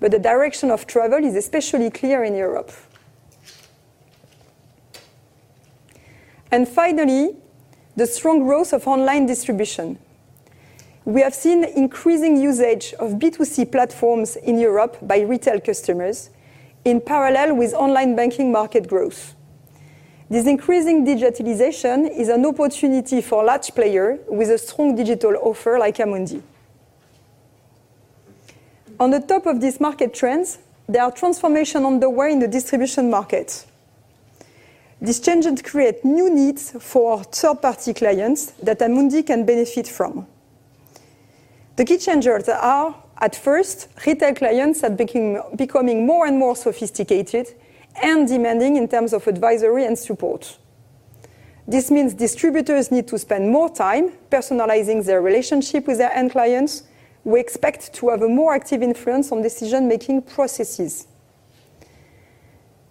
but the direction of travel is especially clear in Europe. Finally, the strong growth of online distribution. We have seen increasing usage of B2C platforms in Europe by retail customers in parallel with online banking market growth. This increasing digitalization is an opportunity for large players with a strong digital offer like Amundi. On top of these market trends, there are transformations on the way in the distribution market. These changes create new needs for third-party clients that Amundi can benefit from. The key changers are, at first, retail clients are becoming more and more sophisticated and demanding in terms of advisory and support. This means distributors need to spend more time personalizing their relationship with their end clients. We expect to have a more active influence on decision-making processes.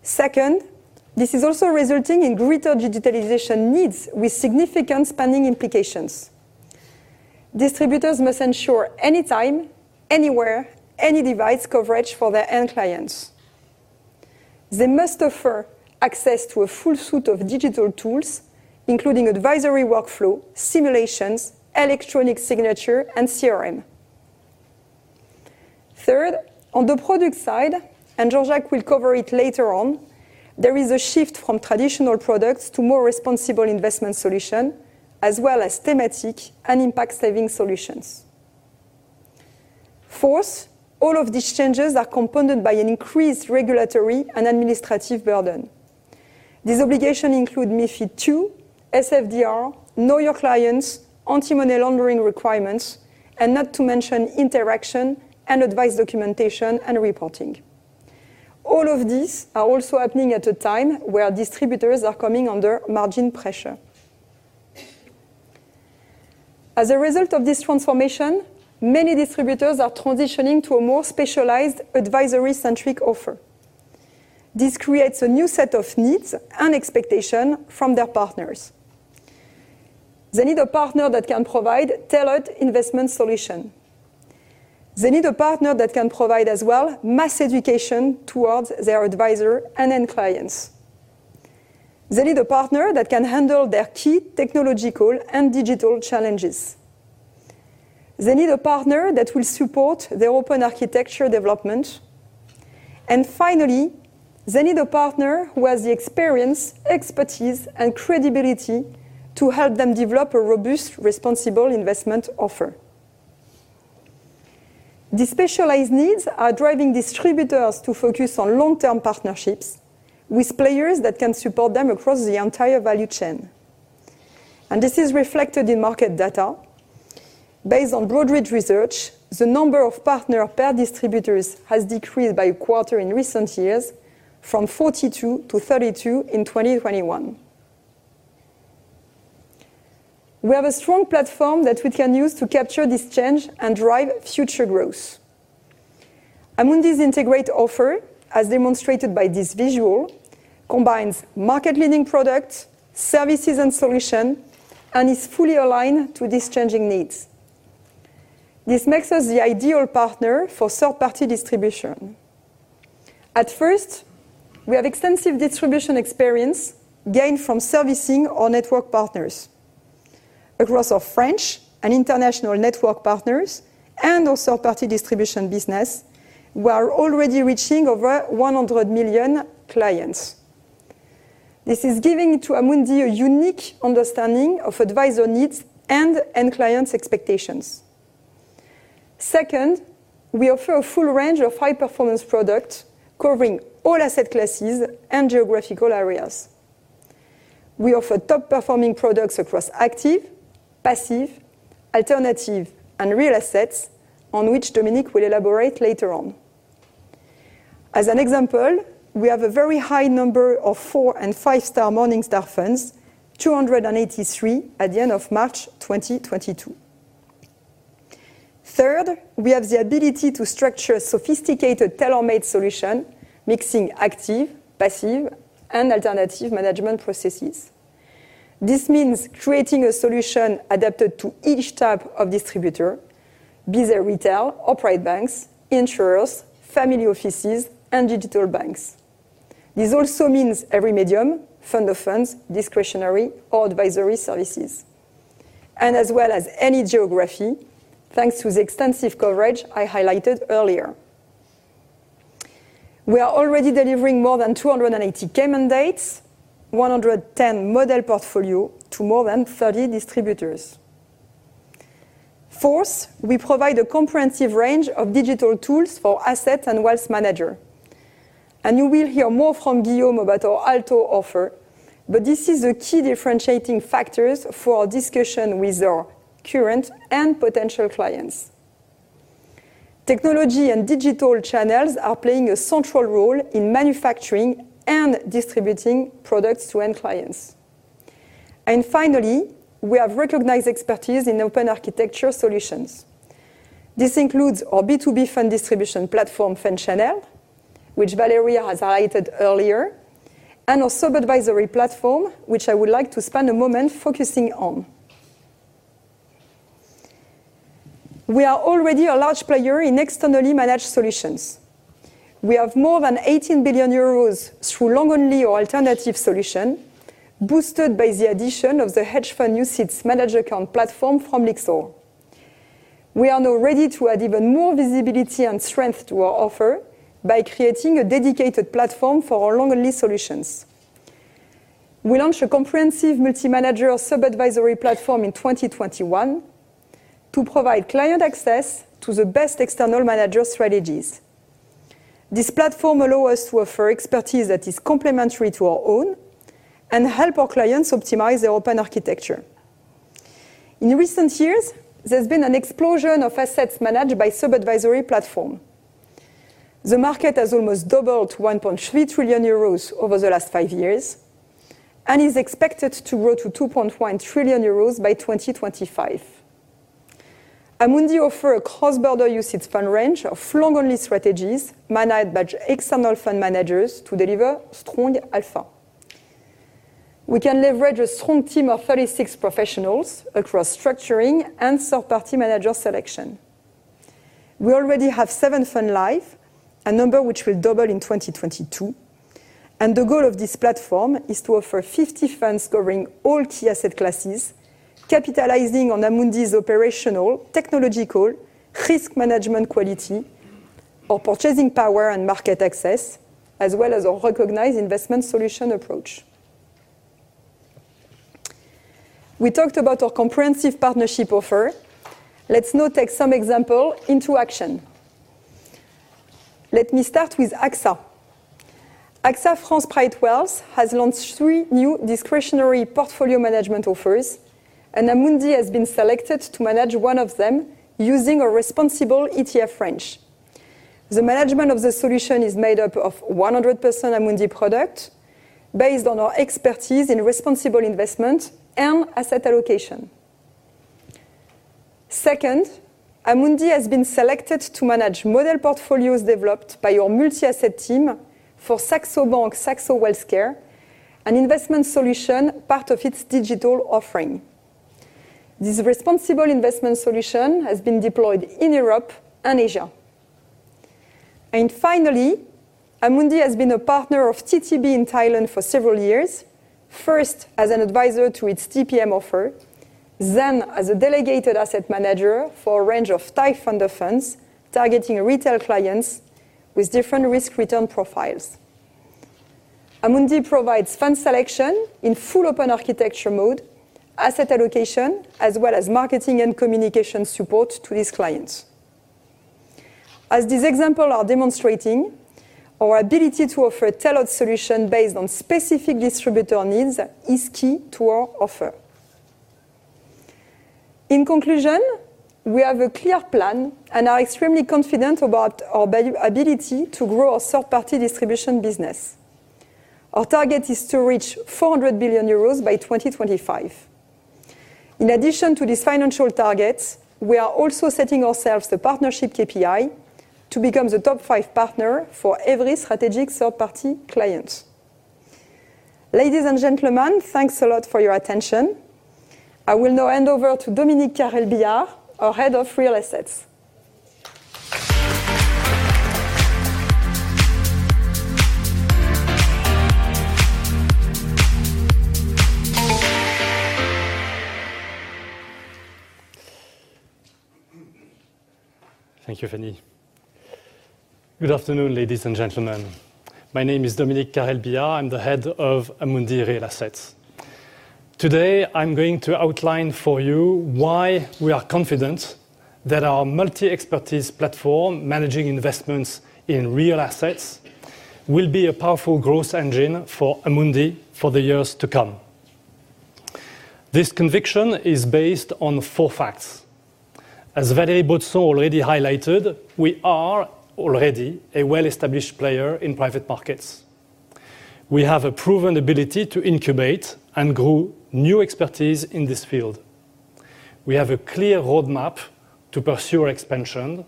Second, this is also resulting in greater digitalization needs with significant spending implications. Distributors must ensure anytime, anywhere, any device coverage for their end clients. They must offer access to a full suite of digital tools, including advisory workflow, simulations, electronic signature, and CRM. Third, on the product side, and Jean-Jacques will cover it later on, there is a shift from traditional products to more responsible investment solution, as well as thematic and impact investing solutions. Fourth, all of these changes are compounded by an increased regulatory and administrative burden. These obligations include MiFID II, SFDR, know your clients, anti-money laundering requirements, and not to mention interaction and advice documentation and reporting. All of these are also happening at a time where distributors are coming under margin pressure. As a result of this transformation, many distributors are transitioning to a more specialized advisory-centric offer. This creates a new set of needs and expectations from their partners. They need a partner that can provide tailored investment solutions. They need a partner that can provide as well mass education towards their advisors and end clients. They need a partner that can handle their key technological and digital challenges. They need a partner that will support their open architecture development. Finally, they need a partner who has the experience, expertise, and credibility to help them develop a robust, responsible investment offer. These specialized needs are driving distributors to focus on long-term partnerships with players that can support them across the entire value chain. This is reflected in market data. Based on Broadridge research, the number of partners per distributor has decreased by a quarter in recent years from 42 to 32 in 2021. We have a strong platform that we can use to capture this change and drive future growth. Amundi's integrated offer, as demonstrated by this visual, combines market-leading products, services, and solutions, and is fully aligned to these changing needs. This makes us the ideal partner for third-party distribution. First, we have extensive distribution experience gained from servicing our network partners. Across our French and international network partners and also third-party distribution business, we are already reaching over 100 million clients. This gives Amundi a unique understanding of advisor needs and end clients' expectations. Second, we offer a full range of high-performance products covering all asset classes and geographical areas. We offer top-performing products across active, passive, alternative, and real assets, on which Dominique will elaborate later on. As an example, we have a very high number of four- and five-star Morningstar funds, 283 at the end of March 2022. Third, we have the ability to structure sophisticated tailor-made solution, mixing active, passive, and alternative management processes. This means creating a solution adapted to each type of distributor, be they retail, private banks, insurers, family offices, and digital banks. This also means every medium, fund of funds, discretionary or advisory services. As well as any geography, thanks to the extensive coverage I highlighted earlier. We are already delivering more than 280 key mandates, 110 model portfolio to more than 30 distributors. Fourth, we provide a comprehensive range of digital tools for asset and wealth manager, and you will hear more from Guillaume about our ALTO offer, but this is a key differentiating factors for our discussion with our current and potential clients. Technology and digital channels are playing a central role in manufacturing and distributing products to end clients. Finally, we have recognized expertise in open architecture solutions. This includes our B2B fund distribution platform, Fund Channel, which Valérie has highlighted earlier, and also advisory platform, which I would like to spend a moment focusing on. We are already a large player in externally managed solutions. We have more than 18 billion euros through long-only or alternative solution, boosted by the addition of the hedge fund UCITS managed account platform from Lyxor. We are now ready to add even more visibility and strength to our offer by creating a dedicated platform for our long-only solutions. We launched a comprehensive multi-manager sub-advisory platform in 2021 to provide client access to the best external manager strategies. This platform allow us to offer expertise that is complementary to our own and help our clients optimize their open architecture. In recent years, there's been an explosion of assets managed by sub-advisory platform. The market has almost doubled to 1.3 trillion euros over the last five years, and is expected to grow to 2.1 trillion euros by 2025. Amundi offer a cross-border UCITS fund range of long-only strategies managed by external fund managers to deliver strong alpha. We can leverage a strong team of 36 professionals across structuring and third-party manager selection. We already have seven funds live, a number which will double in 2022, and the goal of this platform is to offer 50 funds covering all key asset classes, capitalizing on Amundi's operational, technological, risk management quality, our purchasing power and market access, as well as our recognized investment solution approach. We talked about our comprehensive partnership offer. Let's now take some examples into action. Let me start with AXA. AXA France Private Wealth has launched three new discretionary portfolio management offers, and Amundi has been selected to manage one of them using a responsible ETF range. The management of the solution is made up of 100% Amundi product based on our expertise in responsible investment and asset allocation. Second, Amundi has been selected to manage model portfolios developed by our multi-asset team for Saxo Bank, SaxoWealthCare, an investment solution part of its digital offering. This responsible investment solution has been deployed in Europe and Asia. Finally, Amundi has been a partner of TTB in Thailand for several years. First, as an advisor to its TPM offer, then as a delegated asset manager for a range of Thai fund of funds, targeting retail clients with different risk-return profiles. Amundi provides fund selection in full open-architecture mode, asset allocation, as well as marketing and communication support to these clients. As this example are demonstrating, our ability to offer a tailored solution based on specific distributor needs is key to our offer. In conclusion, we have a clear plan and are extremely confident about our ability to grow our third-party distribution business. Our target is to reach 400 billion euros by 2025. In addition to these financial targets, we are also setting ourselves the partnership KPI to become the top five partner for every strategic third-party client. Ladies and gentlemen, thanks a lot for your attention. I will now hand over to Dominique Carrel-Billiard, our Head of Real Assets. Thank you, Fannie. Good afternoon, ladies and gentlemen. My name is Dominique Carrel-Billiard. I'm the Head of Amundi Real Assets. Today, I'm going to outline for you why we are confident that our multi-expertise platform managing investments in real assets will be a powerful growth engine for Amundi for the years to come. This conviction is based on four facts. As Valérie Baudson already highlighted, we are already a well-established player in private markets. We have a proven ability to incubate and grow new expertise in this field. We have a clear roadmap to pursue our expansion,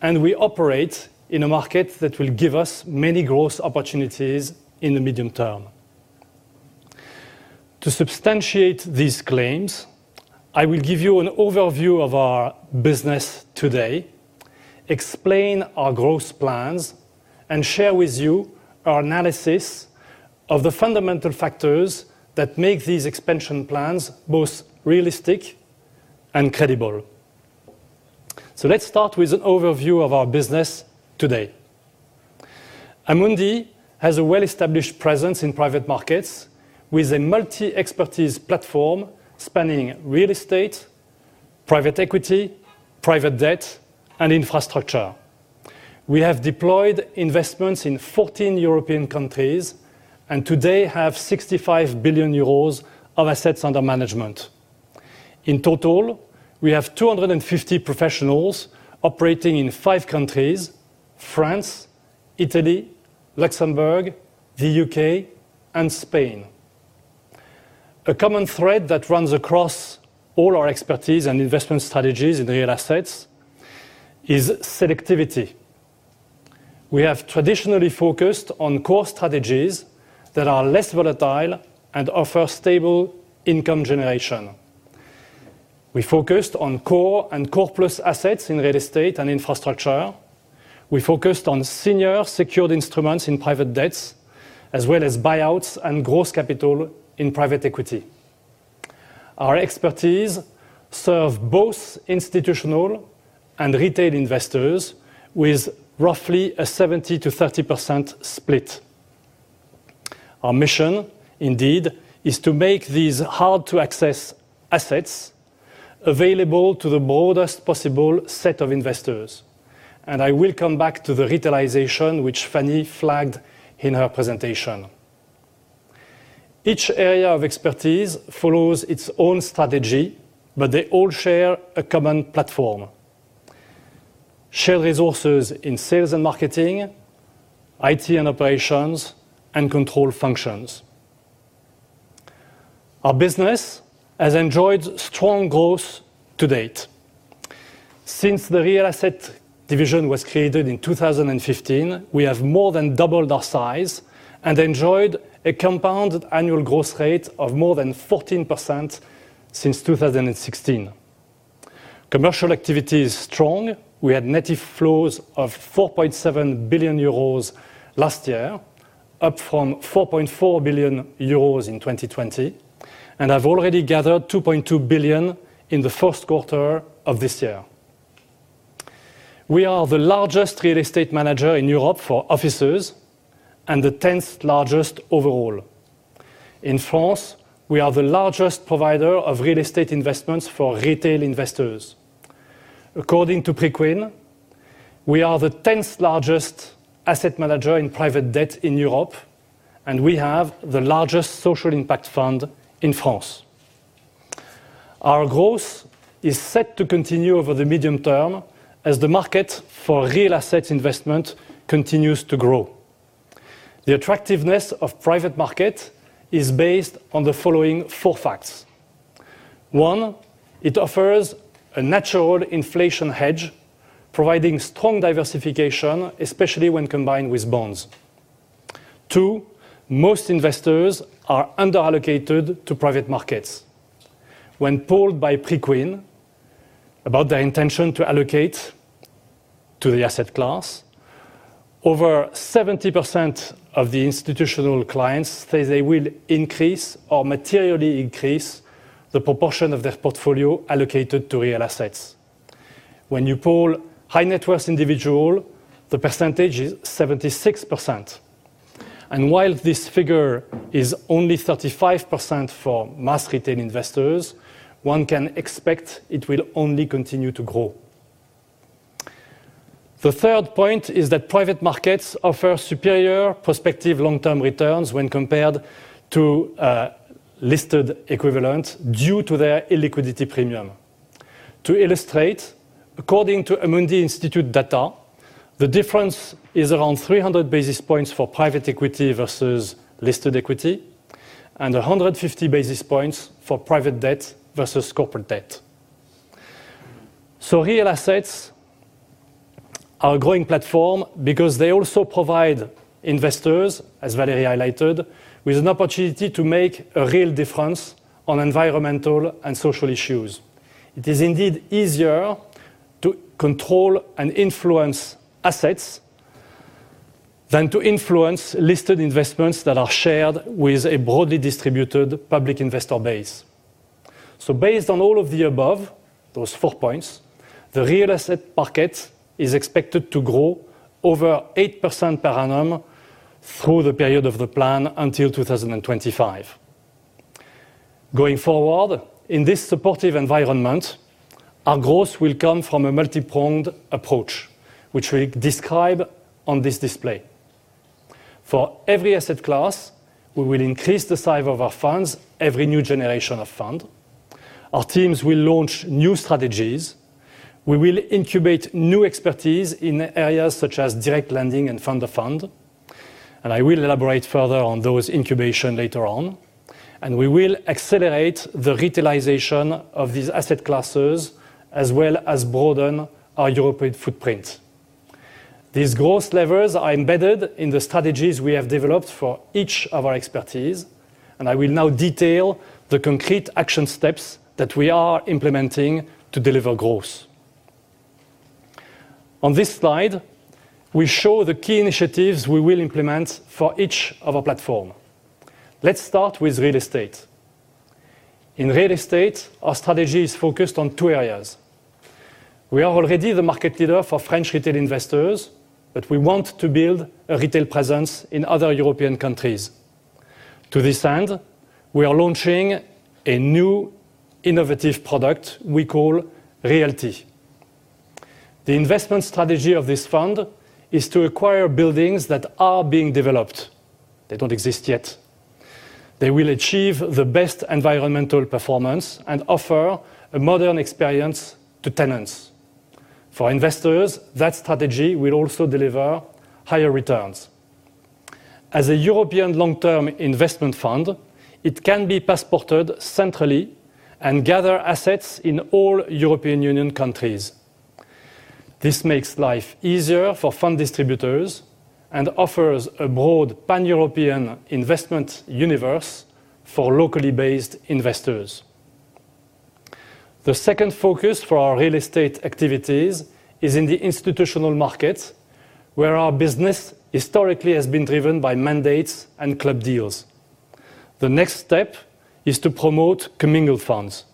and we operate in a market that will give us many growth opportunities in the medium term. To substantiate these claims, I will give you an overview of our business today, explain our growth plans, and share with you our analysis of the fundamental factors that make these expansion plans both realistic and credible. Let's start with an overview of our business today. Amundi has a well-established presence in private markets with a multi-expertise platform spanning real estate, private equity, private debt, and infrastructure. We have deployed investments in 14 European countries and today have 65 billion euros of assets under management. In total, we have 250 professionals operating in five countries: France, Italy, Luxembourg, the U.K., and Spain. A common thread that runs across all our expertise and investment strategies in real assets is selectivity. We have traditionally focused on core strategies that are less volatile and offer stable income generation. We focused on core and core plus assets in real estate and infrastructure. We focused on senior secured instruments in private debt, as well as buyouts and growth capital in private equity. Our expertise serve both institutional and retail investors with roughly a 70%-30% split. Our mission, indeed, is to make these hard-to-access assets available to the broadest possible set of investors, and I will come back to the retailization which Fannie flagged in her presentation. Each area of expertise follows its own strategy, but they all share a common platform. Shared resources in sales and marketing, IT and operations, and control functions. Our business has enjoyed strong growth to date. Since the real asset division was created in 2015, we have more than doubled our size and enjoyed a compound annual growth rate of more than 14% since 2016. Commercial activity is strong. We had net inflows of 4.7 billion euros last year, up from 4.4 billion euros in 2020, and have already gathered 2.2 billion in the first quarter of this year. We are the largest real estate manager in Europe for offices and the 10th-largest overall. In France, we are the largest provider of real estate investments for retail investors. According to Preqin, we are the 10th-largest asset manager in private debt in Europe, and we have the largest social impact fund in France. Our growth is set to continue over the medium term as the market for real asset investment continues to grow. The attractiveness of private market is based on the following four facts. One, it offers a natural inflation hedge, providing strong diversification, especially when combined with bonds. Two, most investors are under-allocated to private markets. When polled by Preqin about their intention to allocate to the asset class, over 70% of the institutional clients say they will increase or materially increase the proportion of their portfolio allocated to real assets. When you poll high-net-worth individual, the percentage is 76%, and while this figure is only 35% for mass retail investors, one can expect it will only continue to grow. The third point is that private markets offer superior prospective long-term returns when compared to listed equivalent due to their illiquidity premium. To illustrate, according to Amundi Institute data, the difference is around 300 basis points for private equity versus listed equity and 150 basis points for private debt versus corporate debt. Real assets are a growing platform because they also provide investors, as Valérie highlighted, with an opportunity to make a real difference on environmental and social issues. It is indeed easier to control and influence assets than to influence listed investments that are shared with a broadly distributed public investor base. Based on all of the above, those four points, the real asset market is expected to grow over 8% per annum through the period of the plan until 2025. Going forward, in this supportive environment, our growth will come from a multipronged approach, which we describe on this display. For every asset class, we will increase the size of our funds, every new generation of fund. Our teams will launch new strategies. We will incubate new expertise in areas such as direct lending and fund of fund. I will elaborate further on those incubation later on. We will accelerate the retailization of these asset classes as well as broaden our European footprint. These growth levers are embedded in the strategies we have developed for each of our expertise, and I will now detail the concrete action steps that we are implementing to deliver growth. On this slide, we show the key initiatives we will implement for each of our platform. Let's start with real estate. In real estate, our strategy is focused on two areas. We are already the market leader for French retail investors, but we want to build a retail presence in other European countries. To this end, we are launching a new innovative product we call Realty. The investment strategy of this fund is to acquire buildings that are being developed. They don't exist yet. They will achieve the best environmental performance and offer a modern experience to tenants. For investors, that strategy will also deliver higher returns. As a European long-term investment fund, it can be passported centrally and gather assets in all European Union countries. This makes life easier for fund distributors and offers a broad pan-European investment universe for locally based investors. The second focus for our real estate activities is in the institutional market, where our business historically has been driven by mandates and club deals. The next step is to promote commingled funds.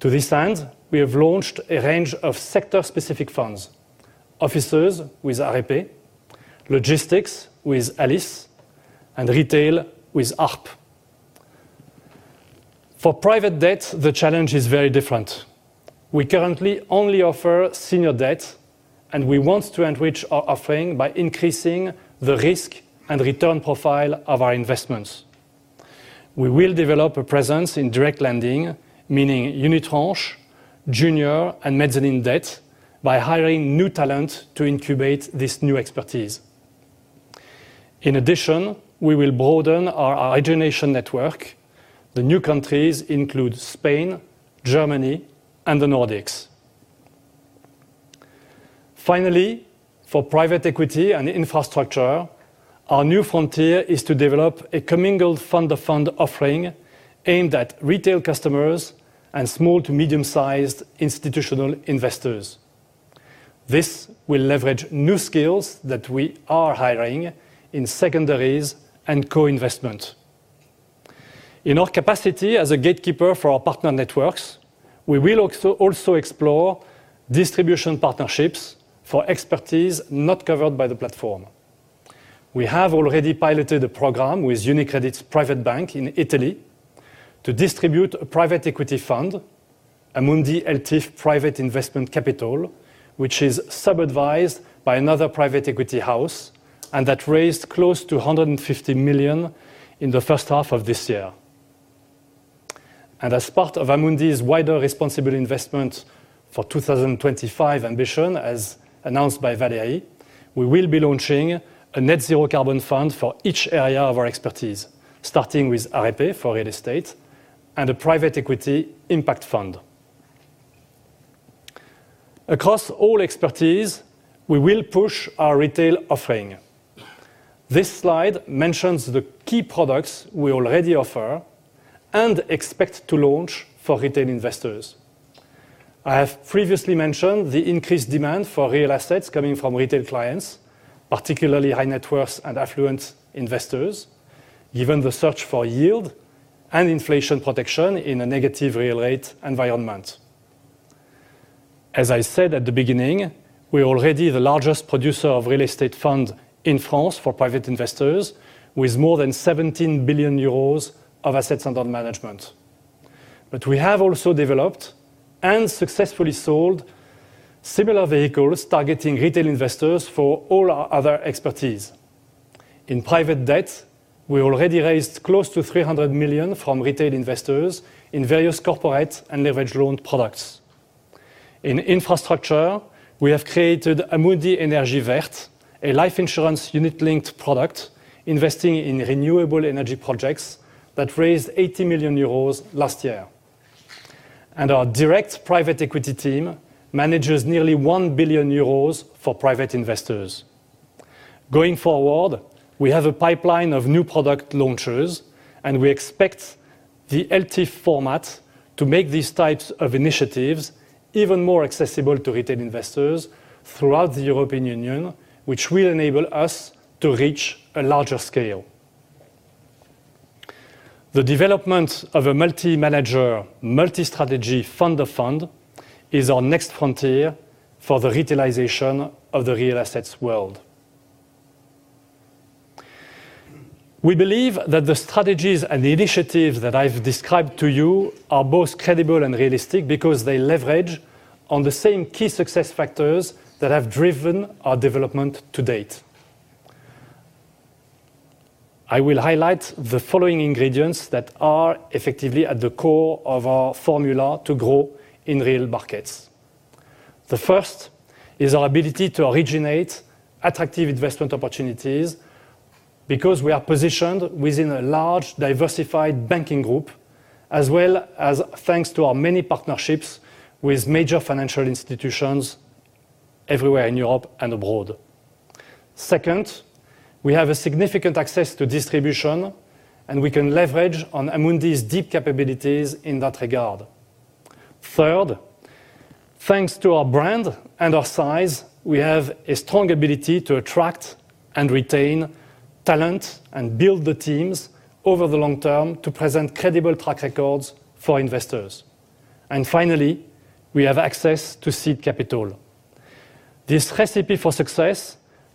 To this end, we have launched a range of sector-specific funds, offices with REP, logistics with ALICE, and retail with ARPE. For private debt, the challenge is very different. We currently only offer senior debt, and we want to enrich our offering by increasing the risk and return profile of our investments. We will develop a presence in direct lending, meaning unitranche, junior, and mezzanine debt by hiring new talent to incubate this new expertise. In addition, we will broaden our origination network. The new countries include Spain, Germany, and the Nordics. Finally, for private equity and infrastructure, our new frontier is to develop a commingled fund of fund offering aimed at retail customers and small to medium-sized institutional investors. This will leverage new skills that we are hiring in secondaries and co-investment. In our capacity as a gatekeeper for our partner networks, we will also explore distribution partnerships for expertise not covered by the platform. We have already piloted a program with UniCredit's private bank in Italy to distribute a private equity fund, Amundi ELTIF Private Investment Capital, which is sub-advised by another private equity house and that raised close to EUR 150 million in the first half of this year. As part of Amundi's wider responsible investment for 2025 ambition, as announced by Valérie, we will be launching a net zero carbon fund for each area of our expertise, starting with ARPE for real estate and a private equity impact fund. Across all expertise, we will push our retail offering. This slide mentions the key products we already offer and expect to launch for retail investors. I have previously mentioned the increased demand for real assets coming from retail clients, particularly high net worth and affluent investors, given the search for yield and inflation protection in a negative real rate environment. As I said at the beginning, we are already the largest producer of real estate fund in France for private investors with more than 17 billion euros of assets under management. We have also developed and successfully sold similar vehicles targeting retail investors for all our other expertise. In private debt, we already raised close to 300 million from retail investors in various corporate and leveraged loan products. In infrastructure, we have created Amundi Énergies Vertes, a life insurance unit-linked product investing in renewable energy projects that raised 80 million euros last year. Our direct private equity team manages nearly 1 billion euros for private investors. Going forward, we have a pipeline of new product launches, and we expect the ELTIF format to make these types of initiatives even more accessible to retail investors throughout the European Union, which will enable us to reach a larger scale. The development of a multi-manager, multi-strategy fund of fund is our next frontier for the retailization of the real assets world. We believe that the strategies and initiatives that I've described to you are both credible and realistic because they leverage on the same key success factors that have driven our development to date. I will highlight the following ingredients that are effectively at the core of our formula to grow in real markets. The first is our ability to originate attractive investment opportunities because we are positioned within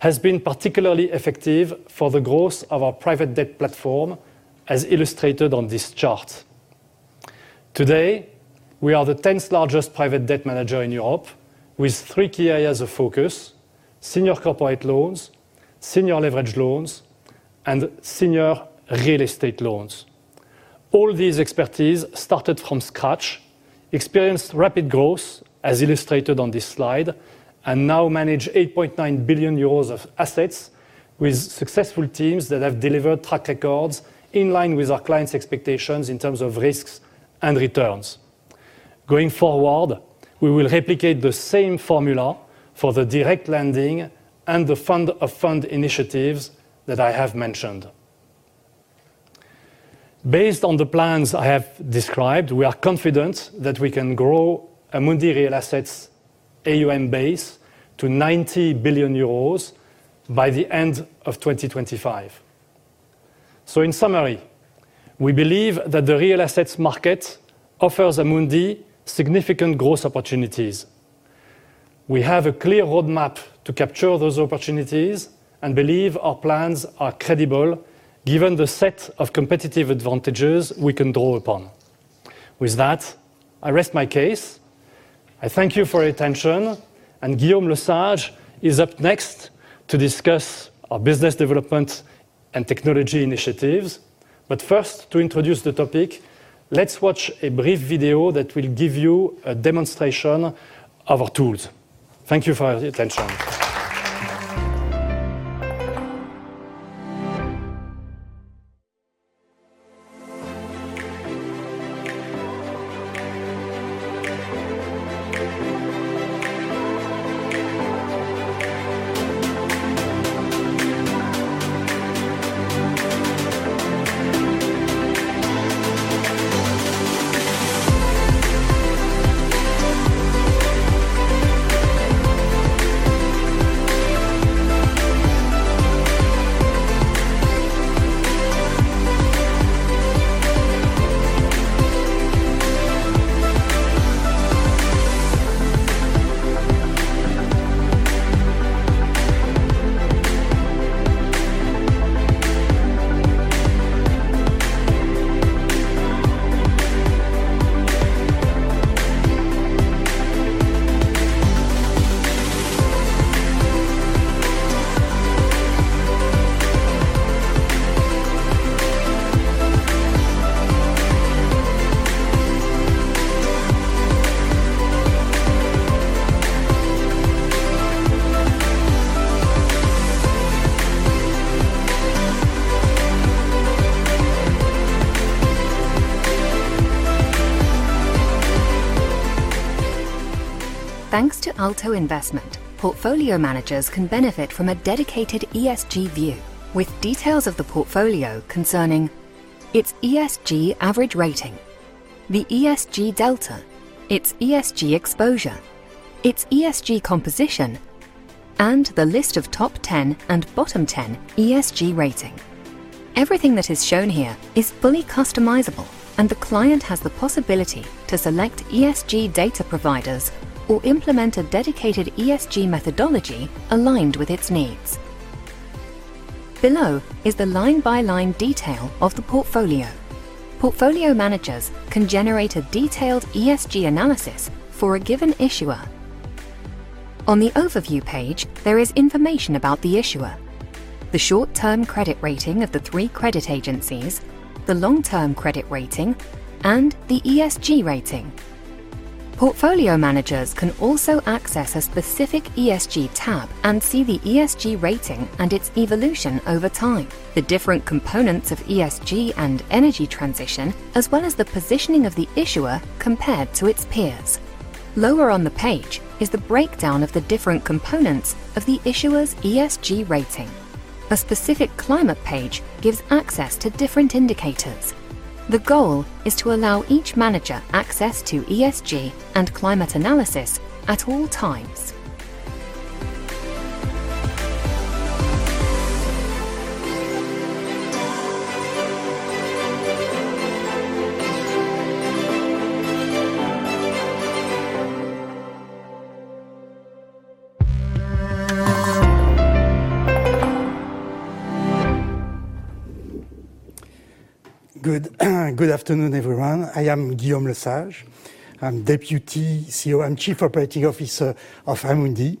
a large diversified banking group, as well as thanks to our many partnerships with major financial institutions everywhere in Europe and abroad. Second, we have a significant access to distribution, and we can leverage on Amundi's deep capabilities in that regard. Third, thanks to our brand and our size, we have a strong ability to attract and retain talent and build the teams over the long term to present credible track records for investors. Finally, we have access to seed capital. This recipe for success has been particularly effective for the growth of our private debt platform as illustrated on this chart. Today, we are the tenth-largest private debt manager in Europe with three key areas of focus, senior corporate loans, senior leveraged loans, and senior real estate loans. All these expertise started from scratch, experienced rapid growth as illustrated on this slide, and now manage EUR 8.9 billion of assets with successful teams that have delivered track records in line with our clients' expectations in terms of risks and returns. Going forward, we will replicate the same formula for the direct lending and the fund of fund initiatives that I have mentioned. Based on the plans I have described, we are confident that we can grow Amundi Real Assets AUM base to EUR 90 billion by the end of 2025. In summary, we believe that the real assets market offers Amundi significant growth opportunities. We have a clear roadmap to capture those opportunities and believe our plans are credible given the set of competitive advantages we can draw upon. With that, I rest my case. I thank you for your attention, and Guillaume Lesage is up next to discuss our business development and technology initiatives. First, to introduce the topic, let's watch a brief video that will give you a demonstration of our tools. Thank you for your attention. Thanks to ALTO Investment, portfolio managers can benefit from a dedicated ESG view with details of the portfolio concerning its ESG average rating, the ESG delta, its ESG exposure, its ESG composition, and the list of top 10 and bottom 10 ESG rating. Everything that is shown here is fully customizable, and the client has the possibility to select ESG data providers or implement a dedicated ESG methodology aligned with its needs. Below is the line-by-line detail of the portfolio. Portfolio managers can generate a detailed ESG analysis for a given issuer. On the overview page, there is information about the issuer, the short-term credit rating of the three credit agencies, the long-term credit rating, and the ESG rating. Portfolio managers can also access a specific ESG tab and see the ESG rating and its evolution over time, the different components of ESG and energy transition, as well as the positioning of the issuer compared to its peers. Lower on the page is the breakdown of the different components of the issuer's ESG rating. A specific climate page gives access to different indicators. The goal is to allow each manager access to ESG and climate analysis at all times. Good afternoon, everyone. I am Guillaume Lesage. I'm Deputy CEO and Chief Operating Officer of Amundi,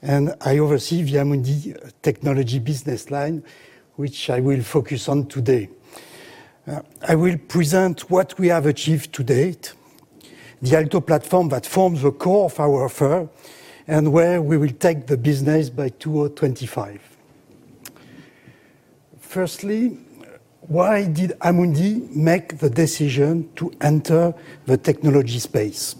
and I oversee the Amundi Technology business line, which I will focus on today. I will present what we have achieved to date, the ALTO platform that forms the core of our offer, and where we will take the business by 2025. Firstly, why did Amundi make the decision to enter the technology space?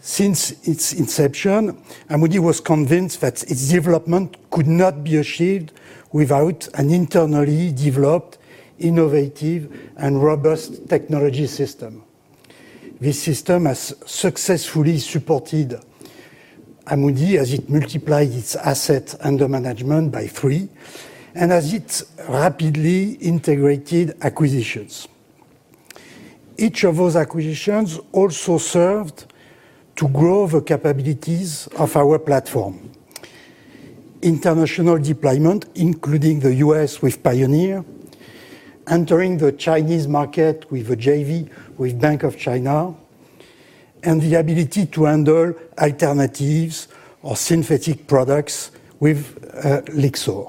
Since its inception, Amundi was convinced that its development could not be achieved without an internally developed, innovative, and robust technology system. This system has successfully supported Amundi as it multiplied its assets under management by three, and as it rapidly integrated acquisitions. Each of those acquisitions also served to grow the capabilities of our platform. International deployment, including the U.S. with Pioneer, entering the Chinese market with a JV with Bank of China, and the ability to handle alternatives or synthetic products with Lyxor.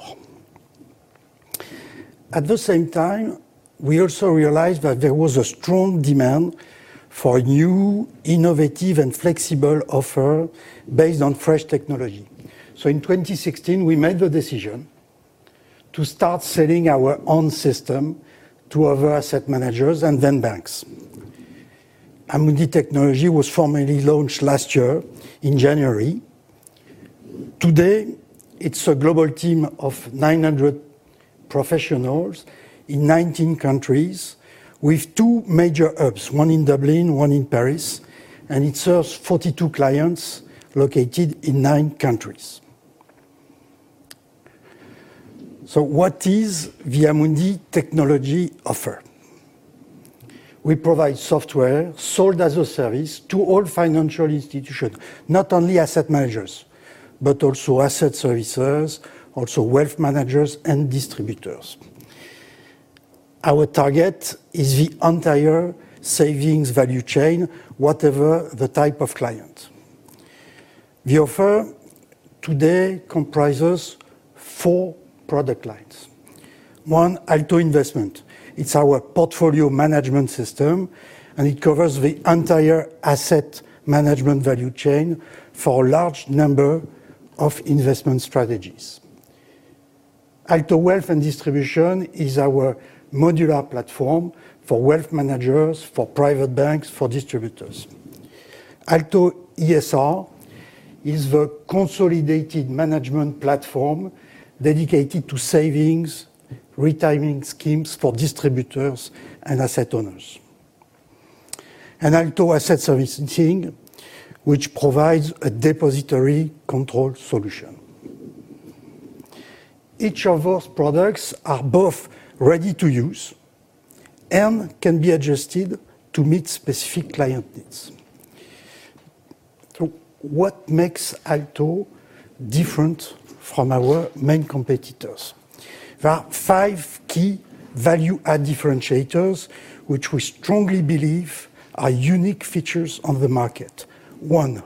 At the same time, we also realized that there was a strong demand for new, innovative, and flexible offer based on fresh technology. In 2016, we made the decision to start selling our own system to other asset managers and then banks. Amundi Technology was formally launched last year in January. Today, it's a global team of 900 professionals in 19 countries with two major hubs, one in Dublin, one in Paris, and it serves 42 clients located in nine countries. What is the Amundi Technology offer? We provide software sold as a service to all financial institutions, not only asset managers, but also asset servicers, also wealth managers and distributors. Our target is the entire savings value chain, whatever the type of client. The offer today comprises 4 product lines. one, ALTO Investment. It's our portfolio management system, and it covers the entire asset management value chain for a large number of investment strategies. ALTO Wealth and Distribution is our modular platform for wealth managers, for private banks, for distributors. ALTO ESR is the consolidated management platform dedicated to savings, retirement schemes for distributors and asset owners. ALTO Asset Servicing, which provides a depository control solution. Each of those products are both ready to use and can be adjusted to meet specific client needs. What makes ALTO different from our main competitors? There are five key value-add differentiators, which we strongly believe are unique features on the market. 1,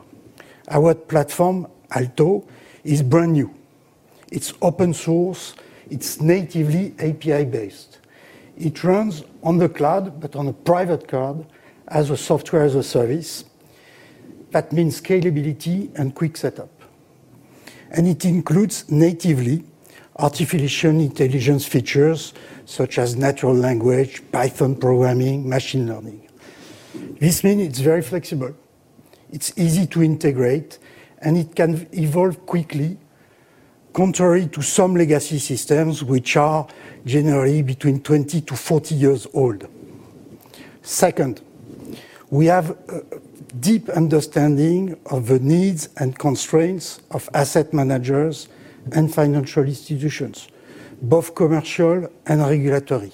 our platform, ALTO, is brand new. It's open source. It's natively API based. It runs on the cloud, but on a private cloud as a software as a service. That means scalability and quick setup. It includes natively artificial intelligence features such as natural language, Python programming, machine learning. This means it's very flexible, it's easy to integrate, and it can evolve quickly, contrary to some legacy systems which are generally between 20-40 years old. Second, we have a deep understanding of the needs and constraints of asset managers and financial institutions, both commercial and regulatory,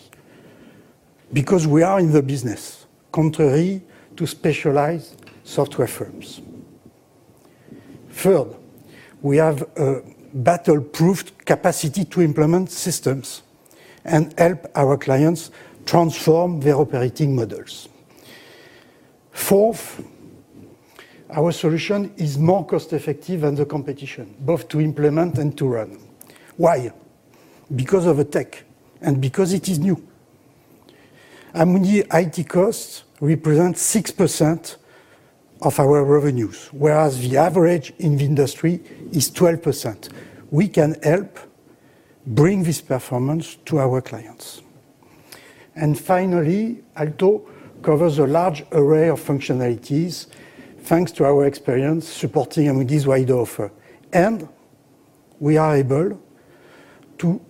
because we are in the business contrary to specialized software firms. Third, we have a battle-proven capacity to implement systems and help our clients transform their operating models. Fourth, our solution is more cost-effective than the competition, both to implement and to run. Why? Because of the tech and because it is new. Amundi IT costs represent 6% of our revenues, whereas the average in the industry is 12%. We can help bring this performance to our clients. Finally, ALTO covers a large array of functionalities thanks to our experience supporting Amundi's wide offer. We are able to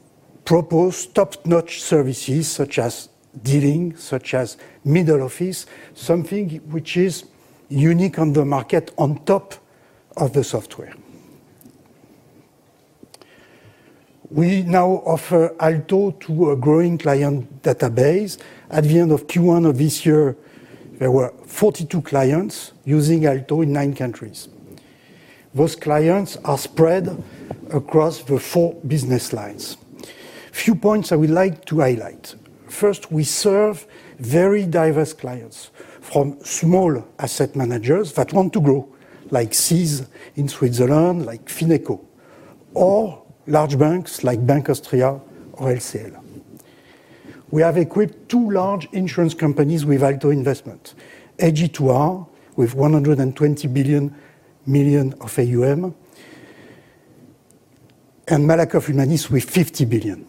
propose top-notch services such as dealing, such as middle office, something which is unique on the market on top of the software. We now offer ALTO to a growing client database. At the end of Q1 of this year, there were 42 clients using ALTO in nine countries. Those clients are spread across the four business lines. Few points I would like to highlight. First, we serve very diverse clients, from small asset managers that want to grow, like Credit Suisse in Switzerland, like Fineco, or large banks like Bank Austria or LCL. We have equipped two large insurance companies with ALTO Investment, AG2R with 120 billion of AUM, and Malakoff Humanis with 50 billion.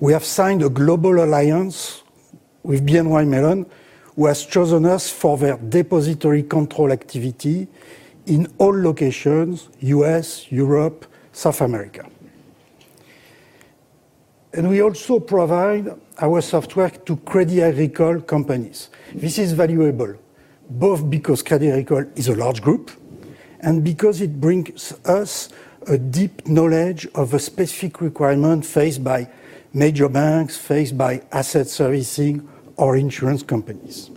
We have signed a global alliance with BNY Mellon, who has chosen us for their depository control activity in all locations, U.S., Europe, South America. We also provide our software to Crédit Agricole companies. This is valuable, both because Crédit Agricole is a large group and because it brings us a deep knowledge of a specific requirement faced by major banks, faced by asset servicing or insurance companies.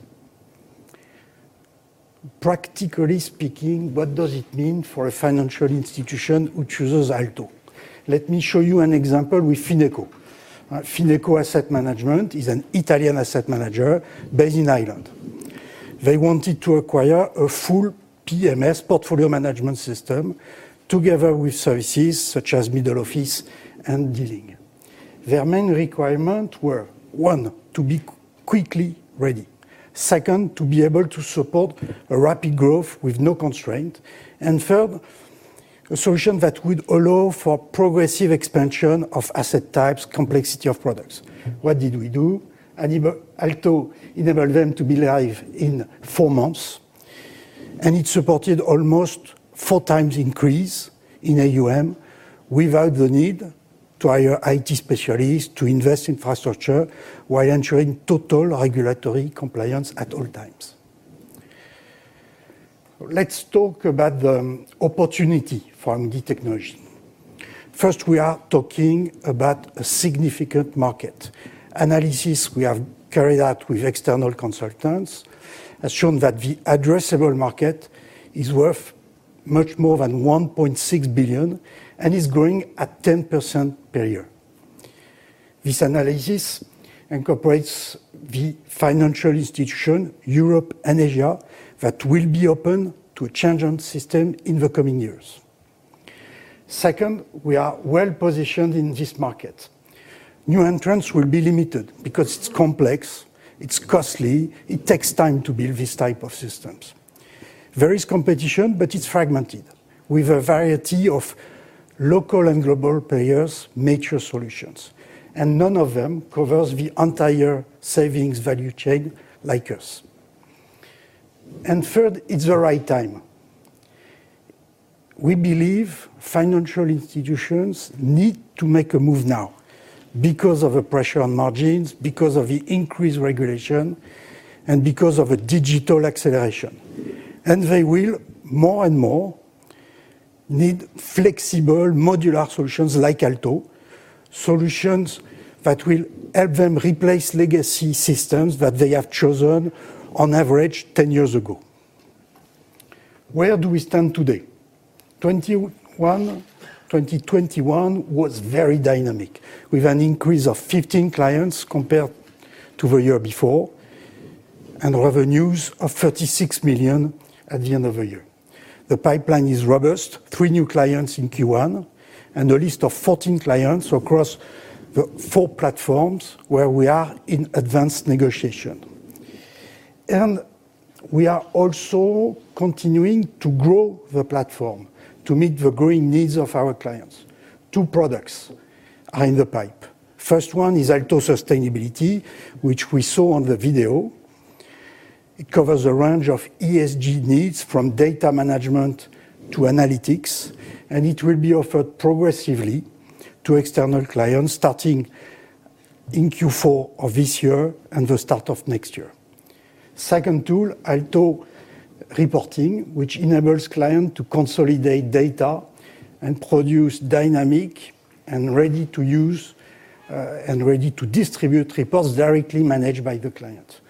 Practically speaking, what does it mean for a financial institution who chooses ALTO? Let me show you an example with Fineco. Fineco Asset Management is an Italian asset manager based in Ireland. They wanted to acquire a full PMS, portfolio management system, together with services such as middle office and dealing. Their main requirements were, one, to be quickly ready. Second, to be able to support a rapid growth with no constraint. Third, a solution that would allow for progressive expansion of asset types, complexity of products. What did we do? ALTO enabled them to be live in four months, and it supported almost four times increase in AUM without the need to hire IT specialists to invest in infrastructure while ensuring total regulatory compliance at all times. Let's talk about the opportunity for Amundi Technology. First, we are talking about a significant market. Analysis we have carried out with external consultants has shown that the addressable market is worth much more than 1.6 billion and is growing at 10% per year. This analysis incorporates the financial institutions in Europe and Asia that will be open to a change in system in the coming years. Second, we are well-positioned in this market. New entrants will be limited because it's complex, it's costly, it takes time to build these type of systems. There is competition, but it's fragmented with a variety of local and global players, mature solutions, and none of them covers the entire savings value chain like us. Third, it's the right time. We believe financial institutions need to make a move now because of the pressure on margins, because of the increased regulation, and because of a digital acceleration. They will more and more need flexible modular solutions like ALTO, solutions that will help them replace legacy systems that they have chosen on average 10 years ago. Where do we stand today? 2021 was very dynamic, with an increase of 15 clients compared to the year before and revenues of 36 million at the end of the year. The pipeline is robust, three new clients in Q1 and a list of 14 clients across the four platforms where we are in advanced negotiation. We are also continuing to grow the platform to meet the growing needs of our clients. Two products are in the pipe. First one is ALTO Sustainability, which we saw on the video. It covers a range of ESG needs from data management to analytics, and it will be offered progressively to external clients starting in Q4 of this year and the start of next year. Second tool, ALTO Reporting, which enables client to consolidate data and produce dynamic and ready-to-use and ready-to-distribute reports directly managed by the client.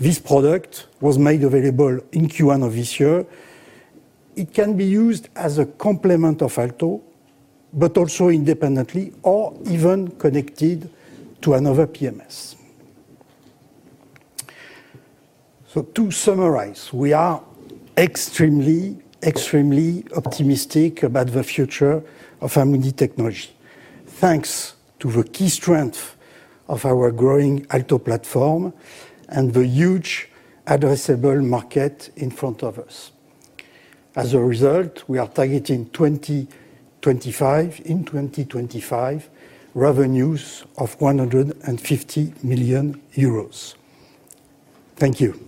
This product was made available in Q1 of this year. It can be used as a complement of ALTO, but also independently or even connected to another PMS. To summarize, we are extremely optimistic about the future of Amundi Technology. Thanks to the key strength of our growing ALTO platform and the huge addressable market in front of us. As a result, we are targeting 2025. In 2025, revenues of 150 million euros. Thank you.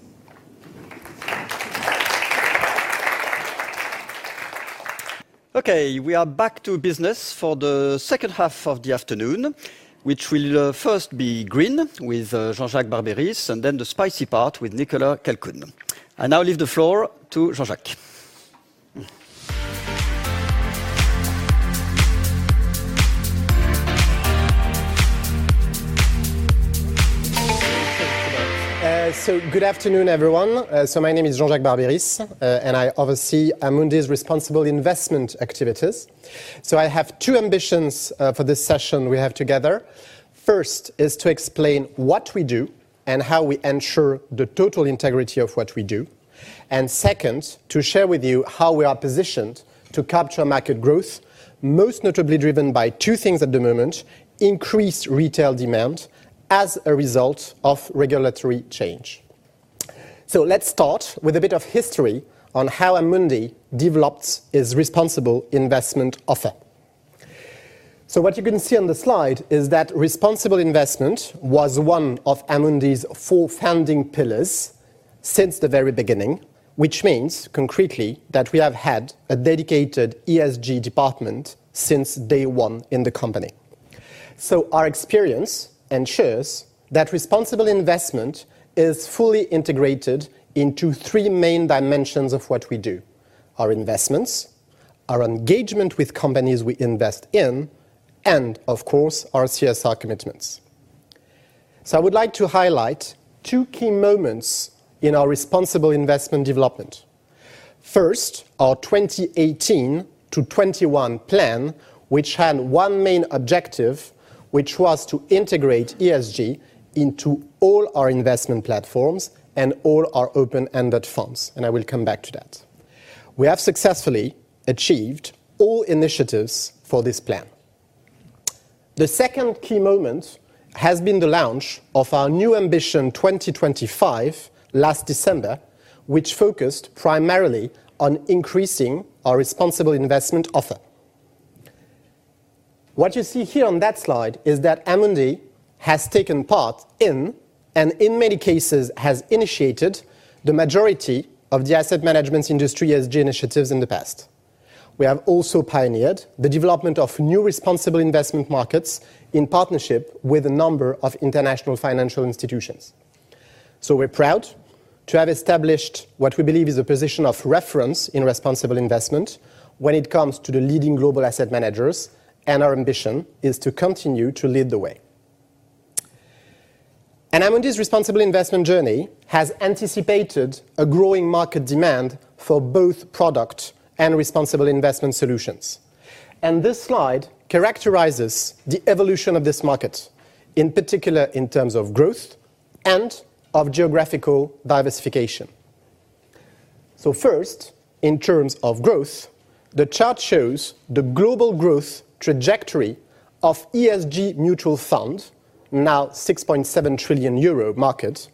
Okay, we are back to business for the second half of the afternoon, which will first be green with Jean-Jacques Barbéris, and then the spicy part with Nicolas Calcoen. I now leave the floor to Jean-Jacques. Good afternoon, everyone. My name is Jean-Jacques Barbéris, and I oversee Amundi's responsible investment activities. I have two ambitions for this session we have together. First is to explain what we do and how we ensure the total integrity of what we do. Second, to share with you how we are positioned to capture market growth, most notably driven by two things at the moment, increased retail demand as a result of regulatory change. Let's start with a bit of history on how Amundi developed its responsible investment offer. What you can see on the slide is that responsible investment was one of Amundi's four founding pillars since the very beginning, which means concretely that we have had a dedicated ESG department since day one in the company. Our experience ensures that responsible investment is fully integrated into three main dimensions of what we do, our investments, our engagement with companies we invest in, and of course, our CSR commitments. I would like to highlight two key moments in our responsible investment development. First, our 2018-2021 plan, which had one main objective, which was to integrate ESG into all our investment platforms and all our open-ended funds, and I will come back to that. We have successfully achieved all initiatives for this plan. The second key moment has been the launch of our new ambition 2025 last December, which focused primarily on increasing our responsible investment offer. What you see here on that slide is that Amundi has taken part in, and in many cases has initiated the majority of the asset management industry ESG initiatives in the past. We have also pioneered the development of new responsible investment markets in partnership with a number of international financial institutions. We're proud to have established what we believe is a position of reference in responsible investment when it comes to the leading global asset managers, and our ambition is to continue to lead the way. Amundi's responsible investment journey has anticipated a growing market demand for both product and responsible investment solutions. This slide characterizes the evolution of this market, in particular in terms of growth and of geographical diversification. First, in terms of growth, the chart shows the global growth trajectory of ESG mutual funds, now a 6.7 trillion euro market,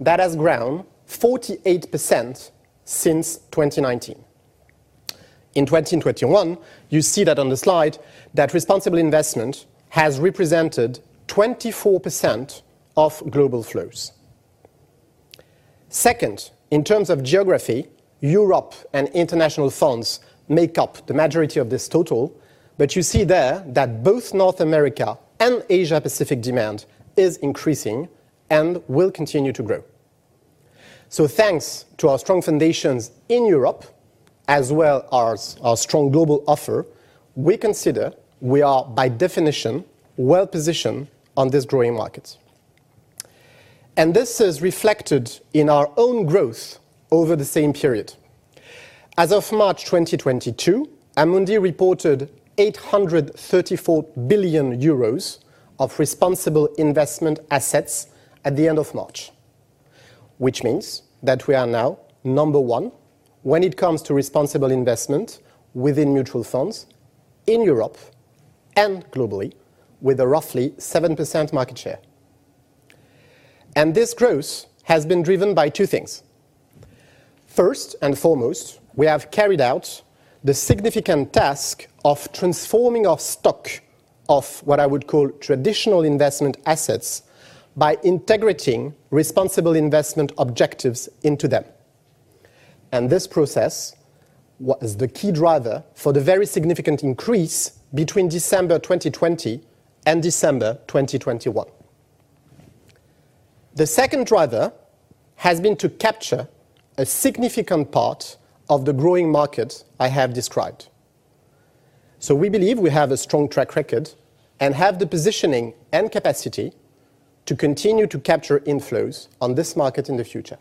that has grown 48% since 2019. In 2020 and 2021, you see that on the slide that responsible investment has represented 24% of global flows. Second, in terms of geography, Europe and international funds make up the majority of this total, but you see there that both North America and Asia Pacific demand is increasing and will continue to grow. Thanks to our strong foundations in Europe, as well as our strong global offer, we consider we are by definition well-positioned on this growing market. This is reflected in our own growth over the same period. As of March 2022, Amundi reported 834 billion euros of responsible investment assets at the end of March, which means that we are now number one when it comes to responsible investment within mutual funds in Europe and globally with a roughly 7% market share. This growth has been driven by two things. First and foremost, we have carried out the significant task of transforming our stock of what I would call traditional investment assets by integrating responsible investment objectives into them. This process was the key driver for the very significant increase between December 2020 and December 2021. The second driver has been to capture a significant part of the growing market I have described. We believe we have a strong track record and have the positioning and capacity to continue to capture inflows on this market in the future.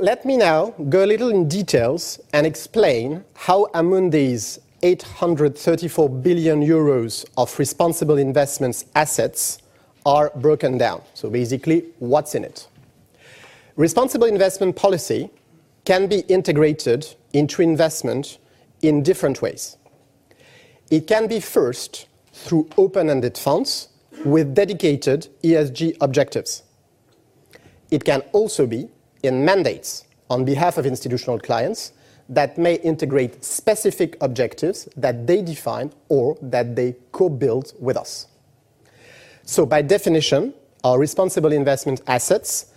Let me now go a little into details and explain how Amundi's 834 billion euros of responsible investments assets are broken down. Basically, what's in it? Responsible investment policy can be integrated into investment in different ways. It can be first through open-ended funds with dedicated ESG objectives. It can also be in mandates on behalf of institutional clients that may integrate specific objectives that they define or that they co-build with us. By definition, our responsible investment assets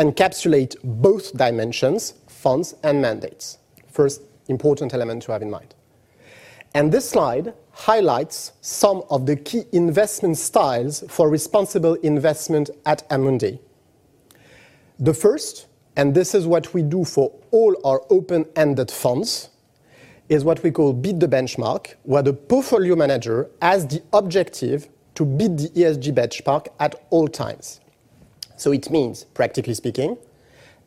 encapsulate both dimensions, funds and mandates. First important element to have in mind. This slide highlights some of the key investment styles for responsible investment at Amundi. The first, and this is what we do for all our open-ended funds, is what we call beat the benchmark, where the portfolio manager has the objective to beat the ESG benchmark at all times. It means, practically speaking,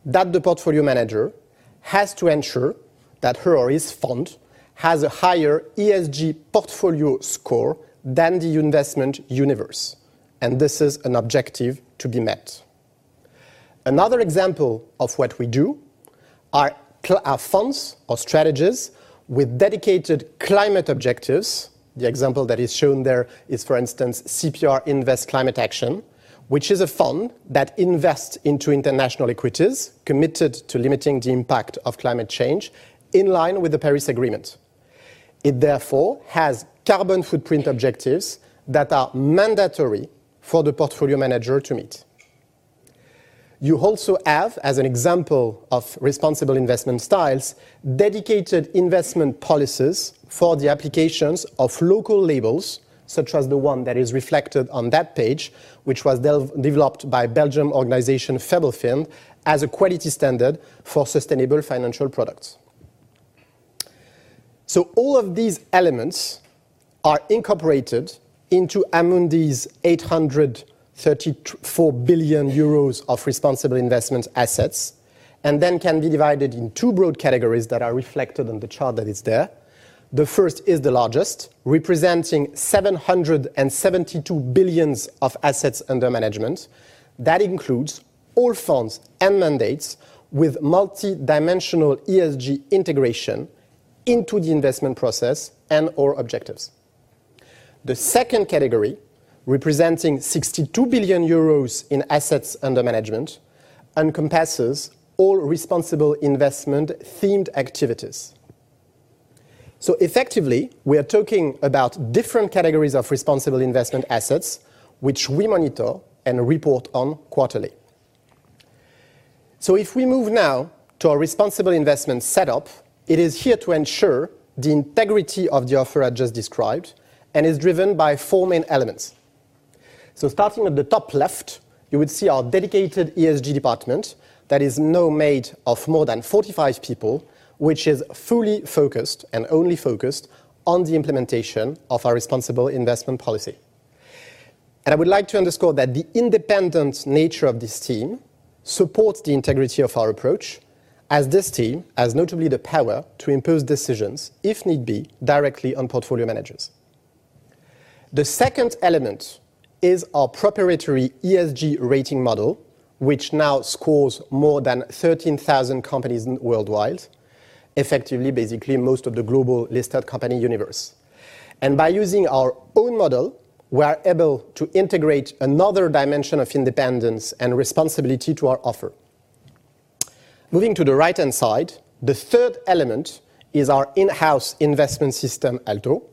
that the portfolio manager has to ensure that her or his fund has a higher ESG portfolio score than the investment universe, and this is an objective to be met. Another example of what we do are funds or strategies with dedicated climate objectives. The example that is shown there is, for instance, CPR Invest Climate Action, which is a fund that invests into international equities committed to limiting the impact of climate change in line with the Paris Agreement. It therefore has carbon footprint objectives that are mandatory for the portfolio manager to meet. You also have, as an example of responsible investment styles, dedicated investment policies for the applications of local labels, such as the one that is reflected on that page, which was developed by Belgian organization, Febelfin, as a quality standard for sustainable financial products. All of these elements are incorporated into Amundi's 834 billion euros of responsible investment assets, and then can be divided in two broad categories that are reflected on the chart that is there. The first is the largest, representing 772 billion of assets under management. That includes all funds and mandates with multidimensional ESG integration into the investment process and/or objectives. The second category, representing 62 billion euros in assets under management, encompasses all responsible investment-themed activities. Effectively, we are talking about different categories of responsible investment assets, which we monitor and report on quarterly. If we move now to our responsible investment setup, it is here to ensure the integrity of the offer I just described and is driven by four main elements. Starting at the top left, you would see our dedicated ESG department that is now made of more than 45 people, which is fully focused and only focused on the implementation of our responsible investment policy. I would like to underscore that the independent nature of this team supports the integrity of our approach, as this team has notably the power to impose decisions, if need be, directly on portfolio managers. The second element is our proprietary ESG rating model, which now scores more than 13,000 companies worldwide, effectively basically most of the global listed company universe. By using our own model, we are able to integrate another dimension of independence and responsibility to our offer. Moving to the right-hand side, the third element is our in-house investment system, ALTO,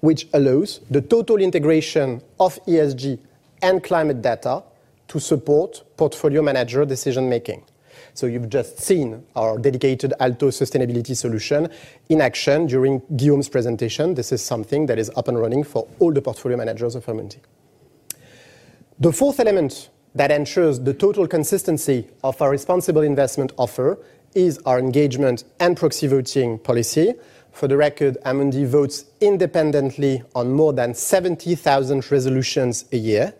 which allows the total integration of ESG and climate data to support portfolio manager decision-making. You've just seen our dedicated ALTO Sustainability solution in action during Guillaume's presentation. This is something that is up and running for all the portfolio managers of Amundi. The fourth element that ensures the total consistency of our responsible investment offer is our engagement and proxy voting policy. For the record, Amundi votes independently on more than 70,000 resolutions a year,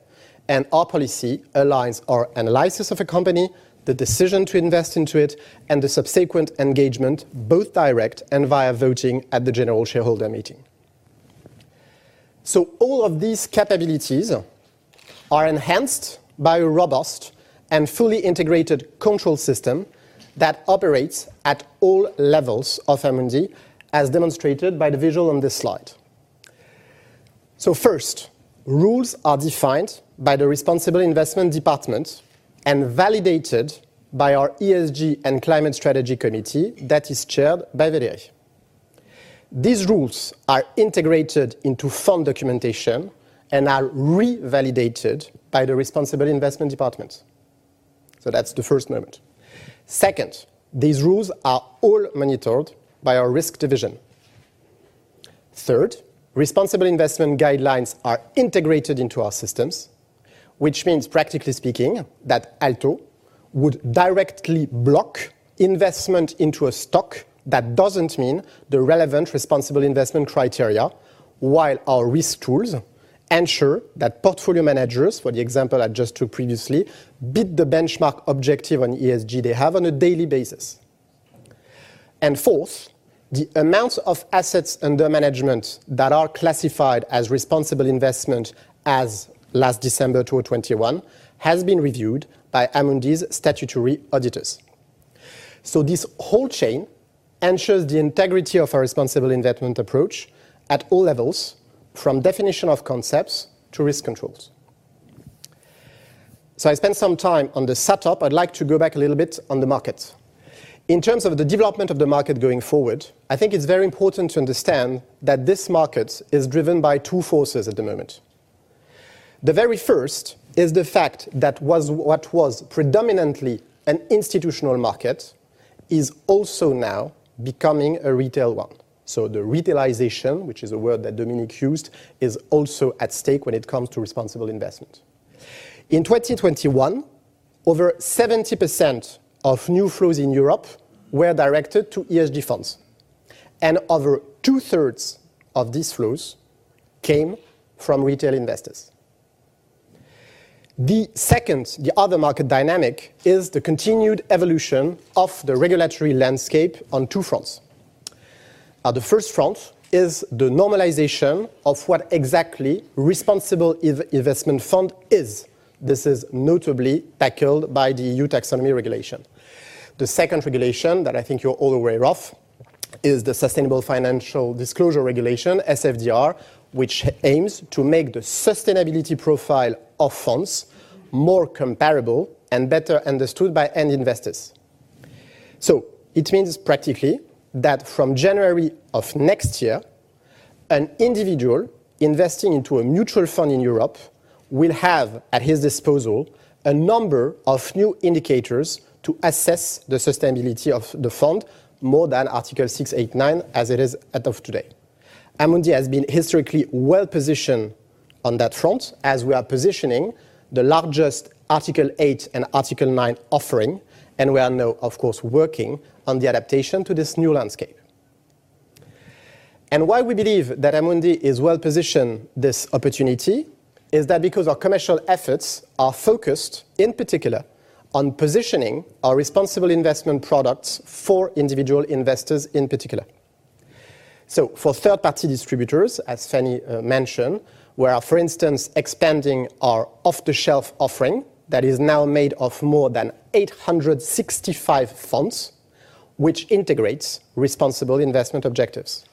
and our policy aligns our analysis of a company, the decision to invest into it, and the subsequent engagement, both direct and via voting at the general shareholder meeting. All of these capabilities are enhanced by a robust and fully integrated control system that operates at all levels of Amundi, as demonstrated by the visual on this slide. First, rules are defined by the responsible investment department and validated by our ESG and climate strategy committee that is chaired by Valérie. These rules are integrated into fund documentation and are revalidated by the responsible investment department. That's the first moment. Second, these rules are all monitored by our risk division. Third, responsible investment guidelines are integrated into our systems, which means, practically speaking, that ALTO would directly block investment into a stock that doesn't meet the relevant responsible investment criteria, while our risk tools ensure that portfolio managers, for the example I just took previously, meet the benchmark objective on ESG they have on a daily basis. Fourth, the amount of assets under management that are classified as responsible investment as of last December 2021 has been reviewed by Amundi's statutory auditors. This whole chain ensures the integrity of our responsible investment approach at all levels, from definition of concepts to risk controls. I spent some time on the setup. I'd like to go back a little bit on the market. In terms of the development of the market going forward, I think it's very important to understand that this market is driven by two forces at the moment. The very first is the fact that what was predominantly an institutional market is also now becoming a retail one. The retailization, which is a word that Dominique used, is also at stake when it comes to responsible investment. In 2021, over 70% of new flows in Europe were directed to ESG funds, and over two-thirds of these flows came from retail investors. The second, the other market dynamic, is the continued evolution of the regulatory landscape on two fronts. The first front is the normalization of what exactly a responsible investment fund is. This is notably tackled by the EU Taxonomy Regulation. The second regulation that I think you're all aware of is the Sustainable Finance Disclosure Regulation, SFDR, which aims to make the sustainability profile of funds more comparable and better understood by end investors. It means practically that from January of next year, an individual investing into a mutual fund in Europe will have at his disposal a number of new indicators to assess the sustainability of the fund under Article 6, 8, 9 as it is as of today. Amundi has been historically well-positioned on that front as we are positioned with the largest Article 8 and Article 9 offering, and we are now, of course, working on the adaptation to this new landscape. Why we believe that Amundi is well-positioned for this opportunity is because our commercial efforts are focused in particular on positioning our responsible investment products for individual investors in particular. For third-party distributors, as Fannie mentioned, we are, for instance, expanding our off-the-shelf offering that is now made of more than 865 funds, which integrates responsible investment objectives.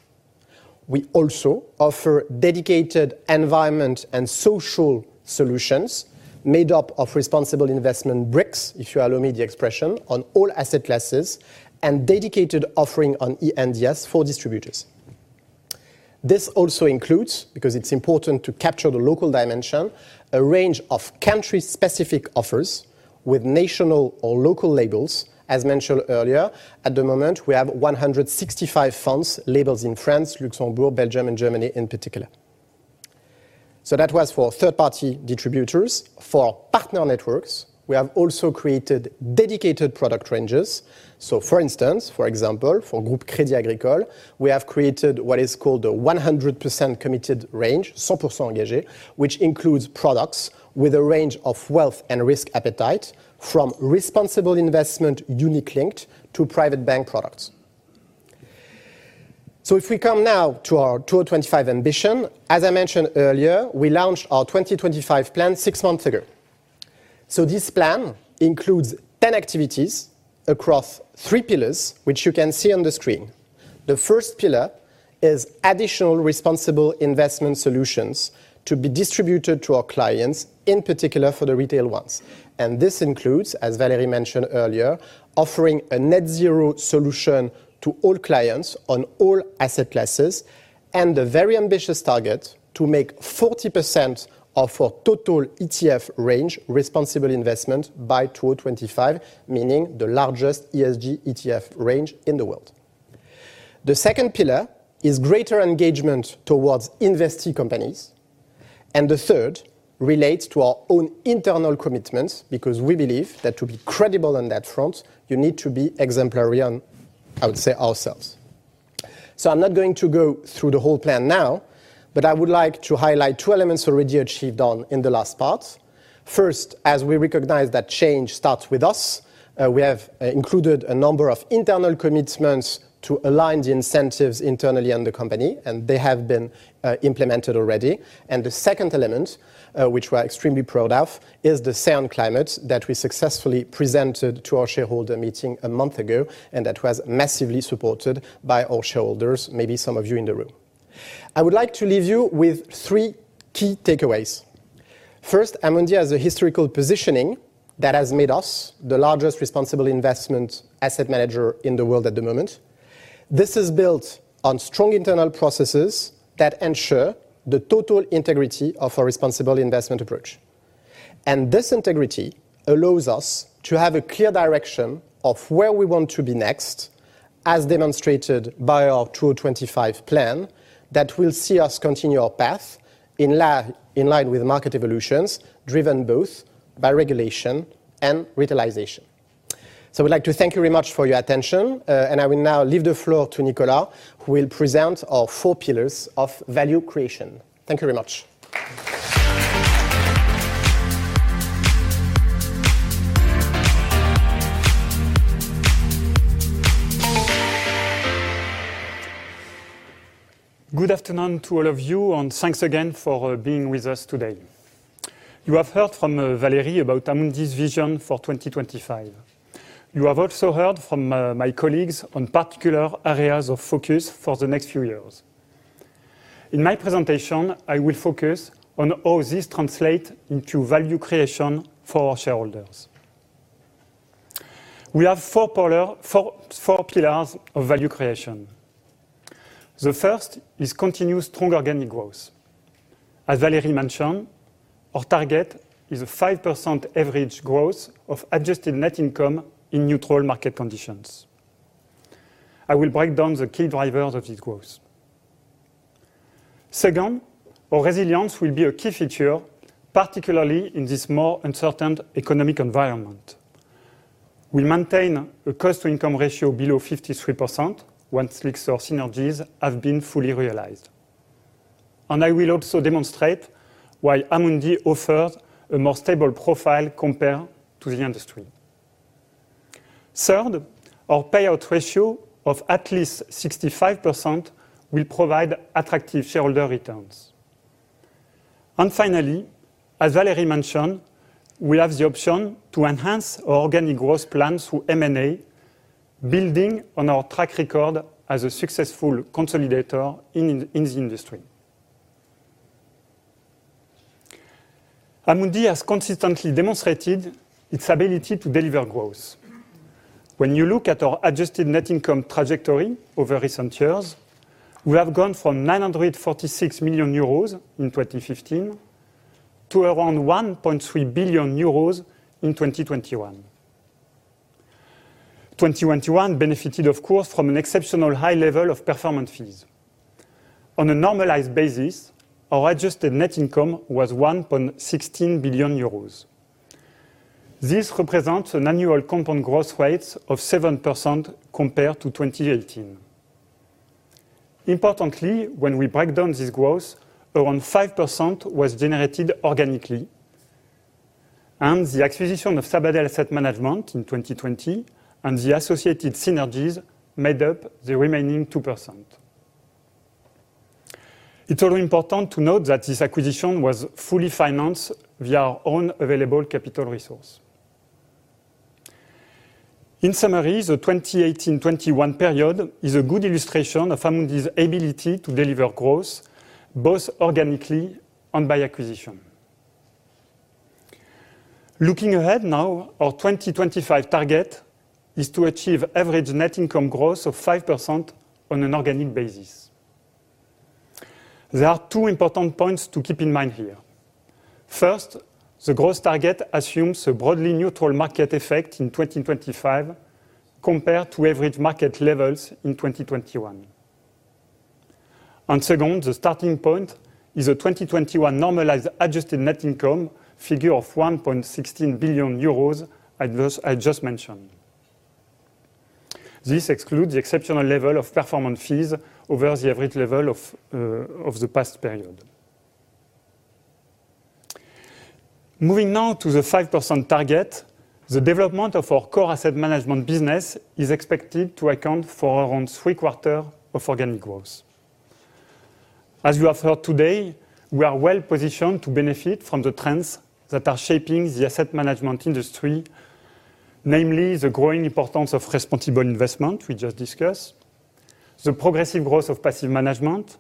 We also offer dedicated environmental and social solutions made up of responsible investment bricks, if you allow me the expression, on all asset classes and dedicated offering on E&S for distributors. This also includes, because it's important to capture the local dimension, a range of country-specific offers with national or local labels. As mentioned earlier, at the moment we have 165 funds labeled in France, Luxembourg, Belgium, and Germany in particular. That was for third-party distributors. For partner networks, we have also created dedicated product ranges. For instance, for example, for Groupe Crédit Agricole, we have created what is called the 100% committed range, cent pour cent engagé, which includes products with a range of wealth and risk appetite from responsible investment unit-linked to private bank products. If we come now to our 2025 ambition, as I mentioned earlier, we launched our 2025 plan six months ago. This plan includes 10 activities across three pillars, which you can see on the screen. The first pillar is additional responsible investment solutions to be distributed to our clients, in particular for the retail ones. This includes, as Valérie mentioned earlier, offering a net zero solution to all clients on all asset classes and a very ambitious target to make 40% of our total ETF range responsible investment by 2025, meaning the largest ESG ETF range in the world. The second pillar is greater engagement towards investee companies. The third relates to our own internal commitments because we believe that to be credible on that front, you need to be exemplary on, I would say, ourselves. I'm not going to go through the whole plan now, but I would like to highlight two elements already achieved on in the last part. First, as we recognize that change starts with us, we have included a number of internal commitments to align the incentives internally in the company, and they have been implemented already. The second element, which we are extremely proud of, is the Say on Climate that we successfully presented to our shareholder meeting a month ago and that was massively supported by our shareholders, maybe some of you in the room. I would like to leave you with three key takeaways. First, Amundi has a historical positioning that has made us the largest responsible investment asset manager in the world at the moment. This is built on strong internal processes that ensure the total integrity of our responsible investment approach. This integrity allows us to have a clear direction of where we want to be next, as demonstrated by our 2025 plan that will see us continue our path in line with market evolutions, driven both by regulation and retailization. We'd like to thank you very much for your attention, and I will now leave the floor to Nicolas, who will present our four pillars of value creation. Thank you very much. Good afternoon to all of you, and thanks again for being with us today. You have heard from Valérie about Amundi's vision for 2025. You have also heard from my colleagues on particular areas of focus for the next few years. In my presentation, I will focus on how this translate into value creation for our shareholders. We have four pillars of value creation. The first is continuous strong organic growth. As Valérie mentioned, our target is a As you have heard today, we are well-positioned to benefit from the trends that are shaping the asset management industry, namely the growing importance of responsible investment we just discussed, the progressive growth of passive management,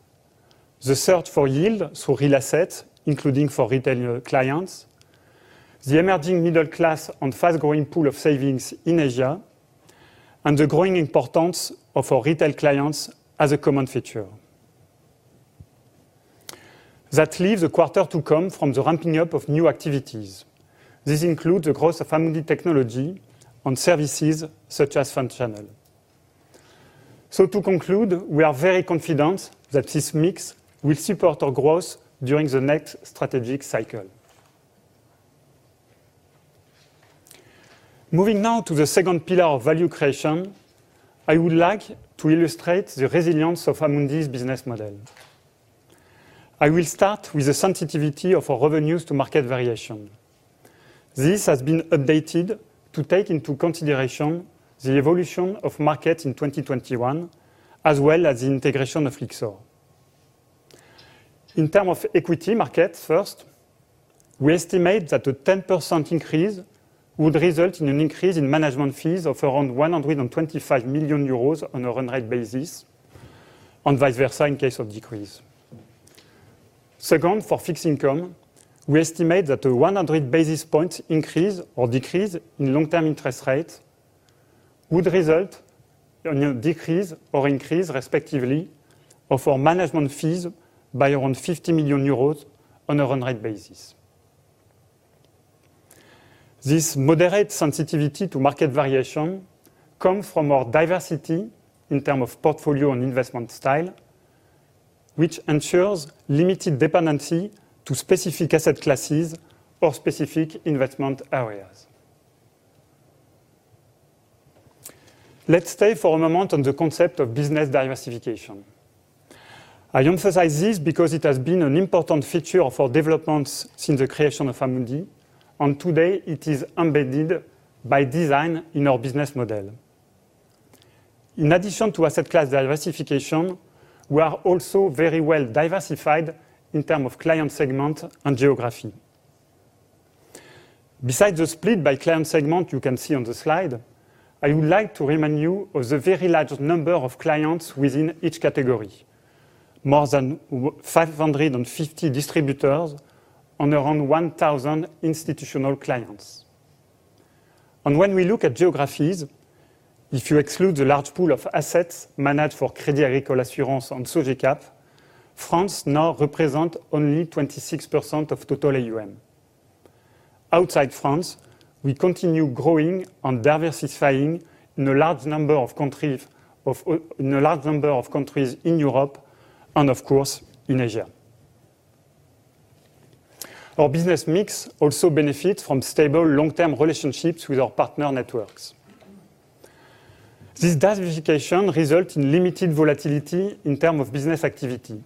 the search for yield through real assets, including for retail clients, the emerging middle class and fast-growing pool of savings in Asia, and the growing importance of our retail clients as a common feature. That leaves a quarter to come from the ramping up of new activities. This includes the growth of Amundi Technology and services such as Fund Channel. To conclude, we are very confident that this mix will support our growth during the next strategic cycle. Moving now to the second pillar of value creation, I would like to illustrate the resilience of Amundi's business model. I will start with the sensitivity of our revenues to market variation. This has been updated to take into consideration the evolution of markets in 2021, as well as the integration of Lyxor. In terms of equity market first, we estimate that a 10% increase would result in an increase in management fees of around 125 million euros on a run rate basis, and vice versa in case of decrease. Second, for fixed income, we estimate that a 100 basis point increase or decrease in long-term interest rate would result in a decrease or increase respectively of our management fees by around 50 million euros on a run rate basis. This moderate sensitivity to market variation comes from our diversity in terms of portfolio and investment style, which ensures limited dependency to specific asset classes or specific investment areas. Let's stay for a moment on the concept of business diversification. I emphasize this because it has been an important feature of our developments since the creation of Amundi, and today it is embedded by design in our business model. In addition to asset class diversification, we are also very well diversified in terms of client segment and geography. Besides the split by client segment you can see on the slide, I would like to remind you of the very large number of clients within each category. More than 550 distributors and around 1,000 institutional clients. When we look at geographies, if you exclude the large pool of assets managed for Crédit Agricole Assurances and Sogecap, France now represent only 26% of total AUM. Outside France, we continue growing and diversifying in a large number of countries in Europe and of course in Asia. Our business mix also benefits from stable long-term relationships with our partner networks. This diversification results in limited volatility in term of business activity.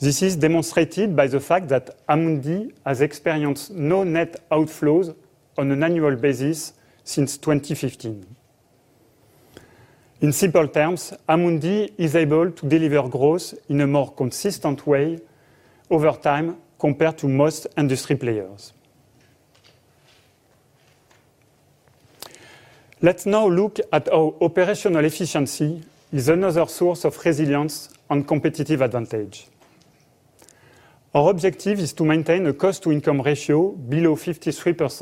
This is demonstrated by the fact that Amundi has experienced no net outflows on an annual basis since 2015. In simple terms, Amundi is able to deliver growth in a more consistent way over time compared to most industry players.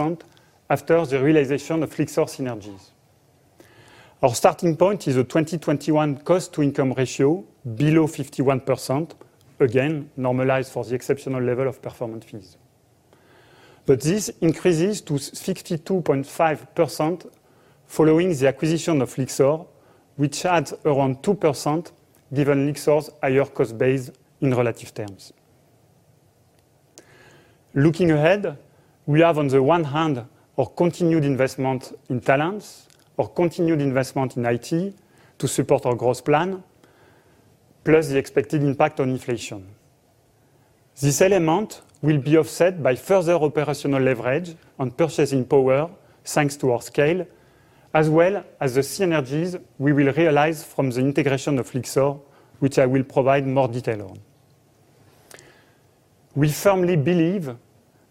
Let's now look at our operational efficiency as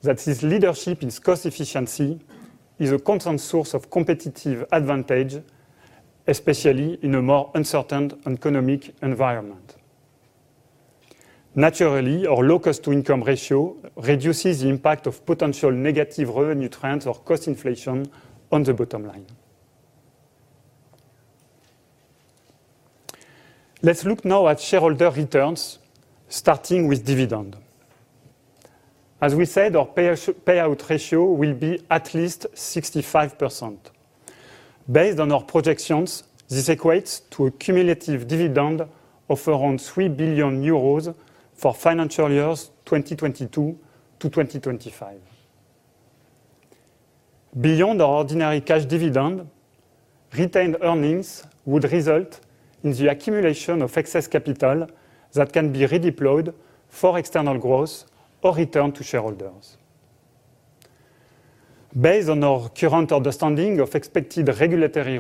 another source of resilience and competitive advantage. Our objective is to maintain a cost-to-income ratio below 53% after the realization of Lyxor synergies. Our starting point is a 2021 capital that can be redeployed for external growth or returned to shareholders. Based on our current understanding of expected regulatory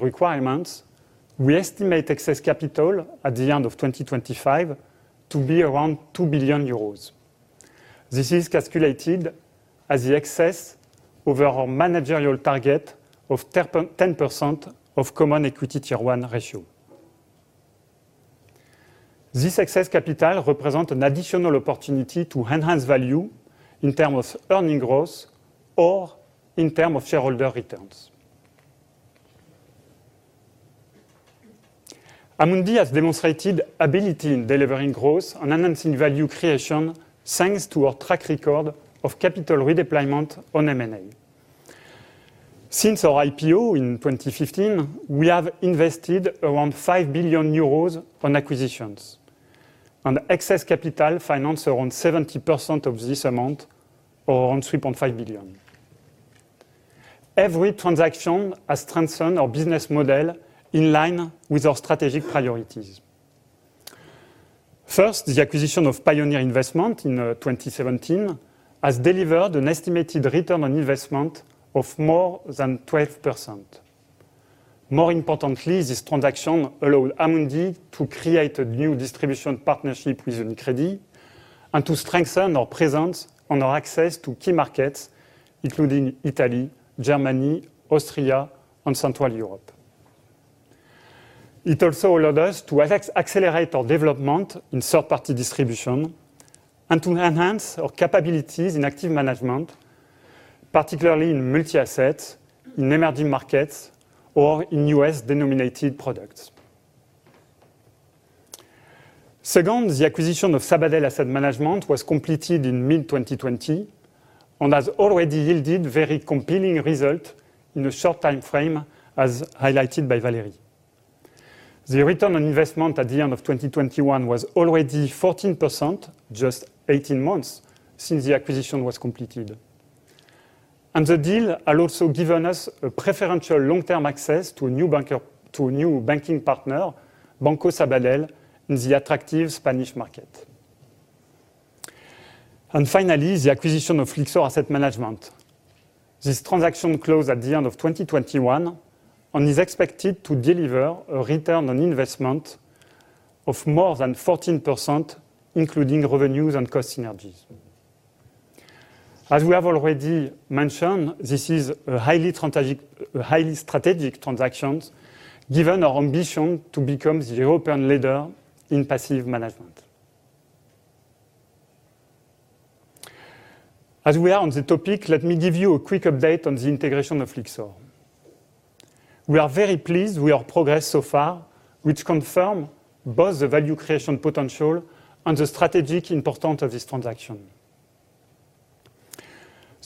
requirements, we estimate excess capital at the end of 2025 to be around EUR 2 billion. This is calculated as the excess over our managerial target of 10% of common equity tier one ratio. This excess capital represents an additional opportunity to enhance value in terms of earnings growth or in terms of shareholder returns. Amundi has demonstrated ability in delivering growth and enhancing value creation, thanks to our track record of capital redeployment on M&A. Since our IPO in 2015, we have invested around EUR 5 billion on acquisitions, and excess capital financed around 70% of this amount, or around 3.5 billion. Every transaction has strengthened our business model in line with our strategic priorities. First, the acquisition of Pioneer Investments in 2017 has delivered an estimated return on investment of more than 12%. More importantly, this transaction allow Amundi to create a new distribution partnership with UniCredit and to strengthen our presence and our access to key markets, including Italy, Germany, Austria, and Central Europe. It also allowed us to accelerate our development in third-party distribution and to enhance our capabilities in active management, particularly in multi-asset, in emerging markets or in U.S.-denominated products. Second, the acquisition of Sabadell Asset Management was completed in mid-2020 and has already yielded very compelling result in a short time frame, as highlighted by Valérie. The return on investment at the end of 2021 was already 14%, just 18 months since the acquisition was completed. The deal had also given us a preferential long-term access to a new banking partner, Banco Sabadell, in the attractive Spanish market. Finally, the acquisition of Lyxor Asset Management. This transaction closed at the end of 2021 and is expected to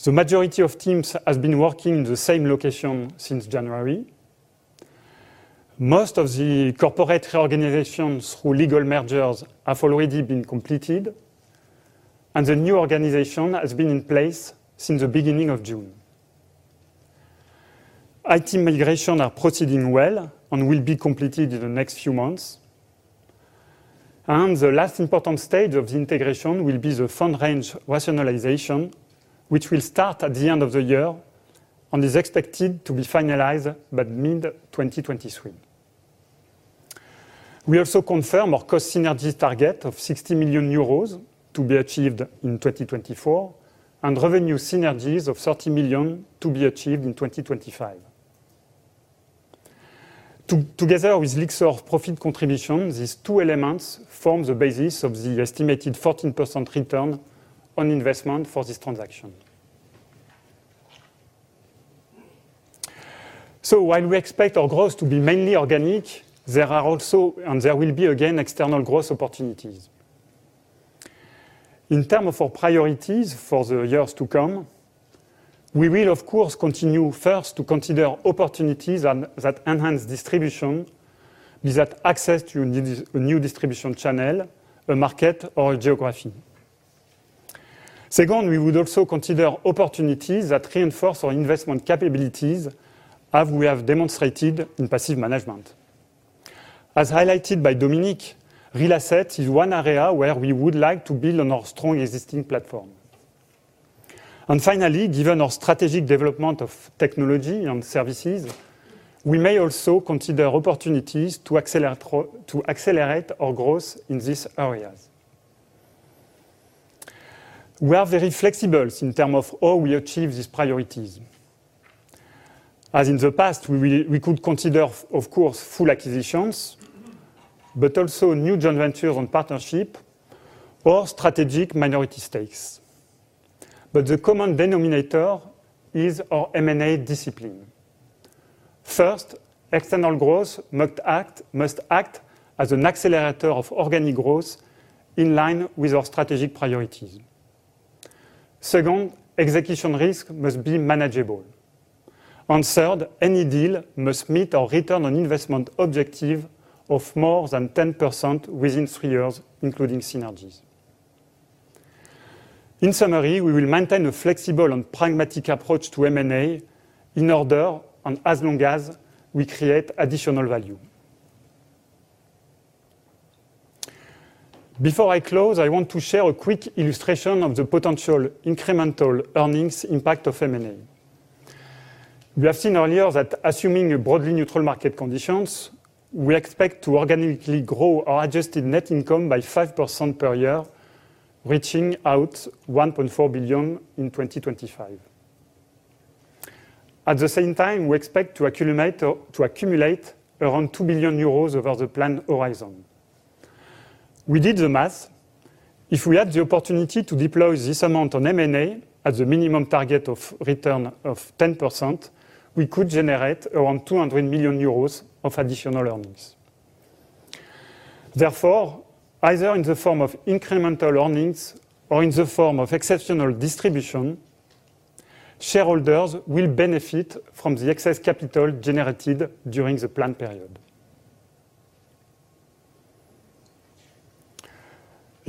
deliver a return on investment of more than 14%, including revenues and cost synergies. As we have already mentioned, this is a highly strategic transaction given our ambition to become the European leader in passive management. As we are on the topic, let me give you a quick update on the integration of Lyxor. We are very pleased with our progress so far, which confirm both the value creation potential and the strategic importance of this transaction. The majority of teams has been working in the same location since January. Most of the corporate reorganizations through legal mergers have already been completed, and the new organization has been in place since the beginning of June. IT migrations are proceeding well and will be completed in the next few months. The last important stage of the integration will be the fund range rationalization, which will start at the end of the year and is expected to be finalized by mid-2023. We also confirm our cost synergies target of 60 million euros to be achieved in 2024, and revenue synergies of 30 million to be achieved in 2025. Together with Lyxor profit contribution, these two elements form the basis of the estimated 14% return on investment for this transaction. While we expect our growth to be mainly organic, there are also, and there will be again, external growth opportunities. In terms of our priorities for the years to come, we will of course continue first to consider opportunities that enhance distribution, be that access to a new distribution channel, a market or a geography. Second, we would also consider opportunities that reinforce our investment capabilities, as we have demonstrated in passive management. As highlighted by Dominique, real assets is one area where we would like to build on our strong existing platform. Finally, given our strategic development of technology and services, we may also consider opportunities to accelerate our growth in these areas. We are very flexible in terms of how we achieve these priorities. As in the past, we could consider of course full acquisitions, but also new joint ventures and partnership or strategic minority stakes. The common denominator is our M&A discipline. First, external growth must act as an accelerator of organic growth in line with our strategic priorities. Second, execution risk must be manageable.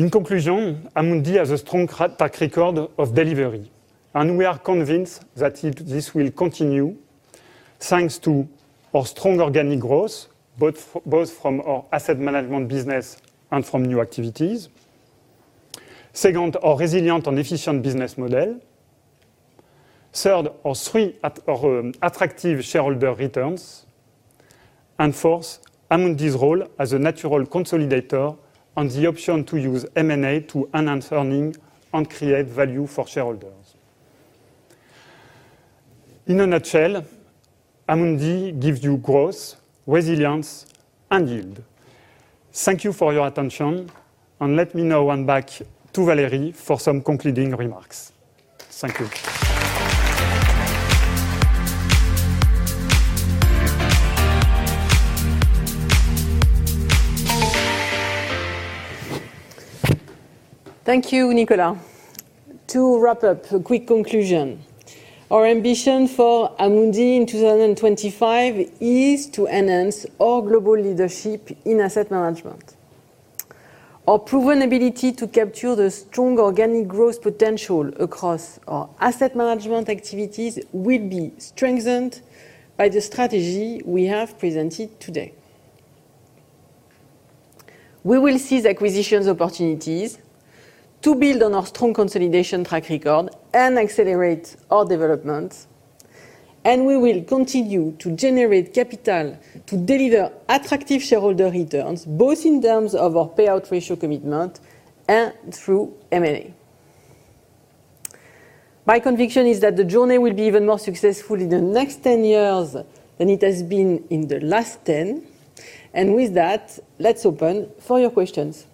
In conclusion, Amundi has a strong track record of delivery, and we are convinced that this will continue thanks to our strong organic growth, both from our asset management business and from new activities. Second, our resilient and efficient business model. Third, our attractive shareholder returns. Fourth, Amundi's role as a natural consolidator and the option to use M&A to enhance earnings and create value for shareholders. In a nutshell, Amundi gives you growth, resilience, and yield. Thank you for your attention, and let me now hand back to Valérie for some concluding remarks. Thank you. Thank you, Nicolas. To wrap up, a quick conclusion. Our ambition for Amundi in 2025 is to enhance our global leadership in asset management. Our proven ability to capture the strong organic growth potential across our asset management activities will be strengthened by the strategy we have presented today. We will seize acquisitions opportunities to build on our strong consolidation track record and accelerate our development, and we will continue to generate capital to deliver attractive shareholder returns, both in terms of our payout ratio commitment and through M&A. My conviction is that the journey will be even more successful in the next 10 years than it has been in the last 10. With that, let's open for your questions.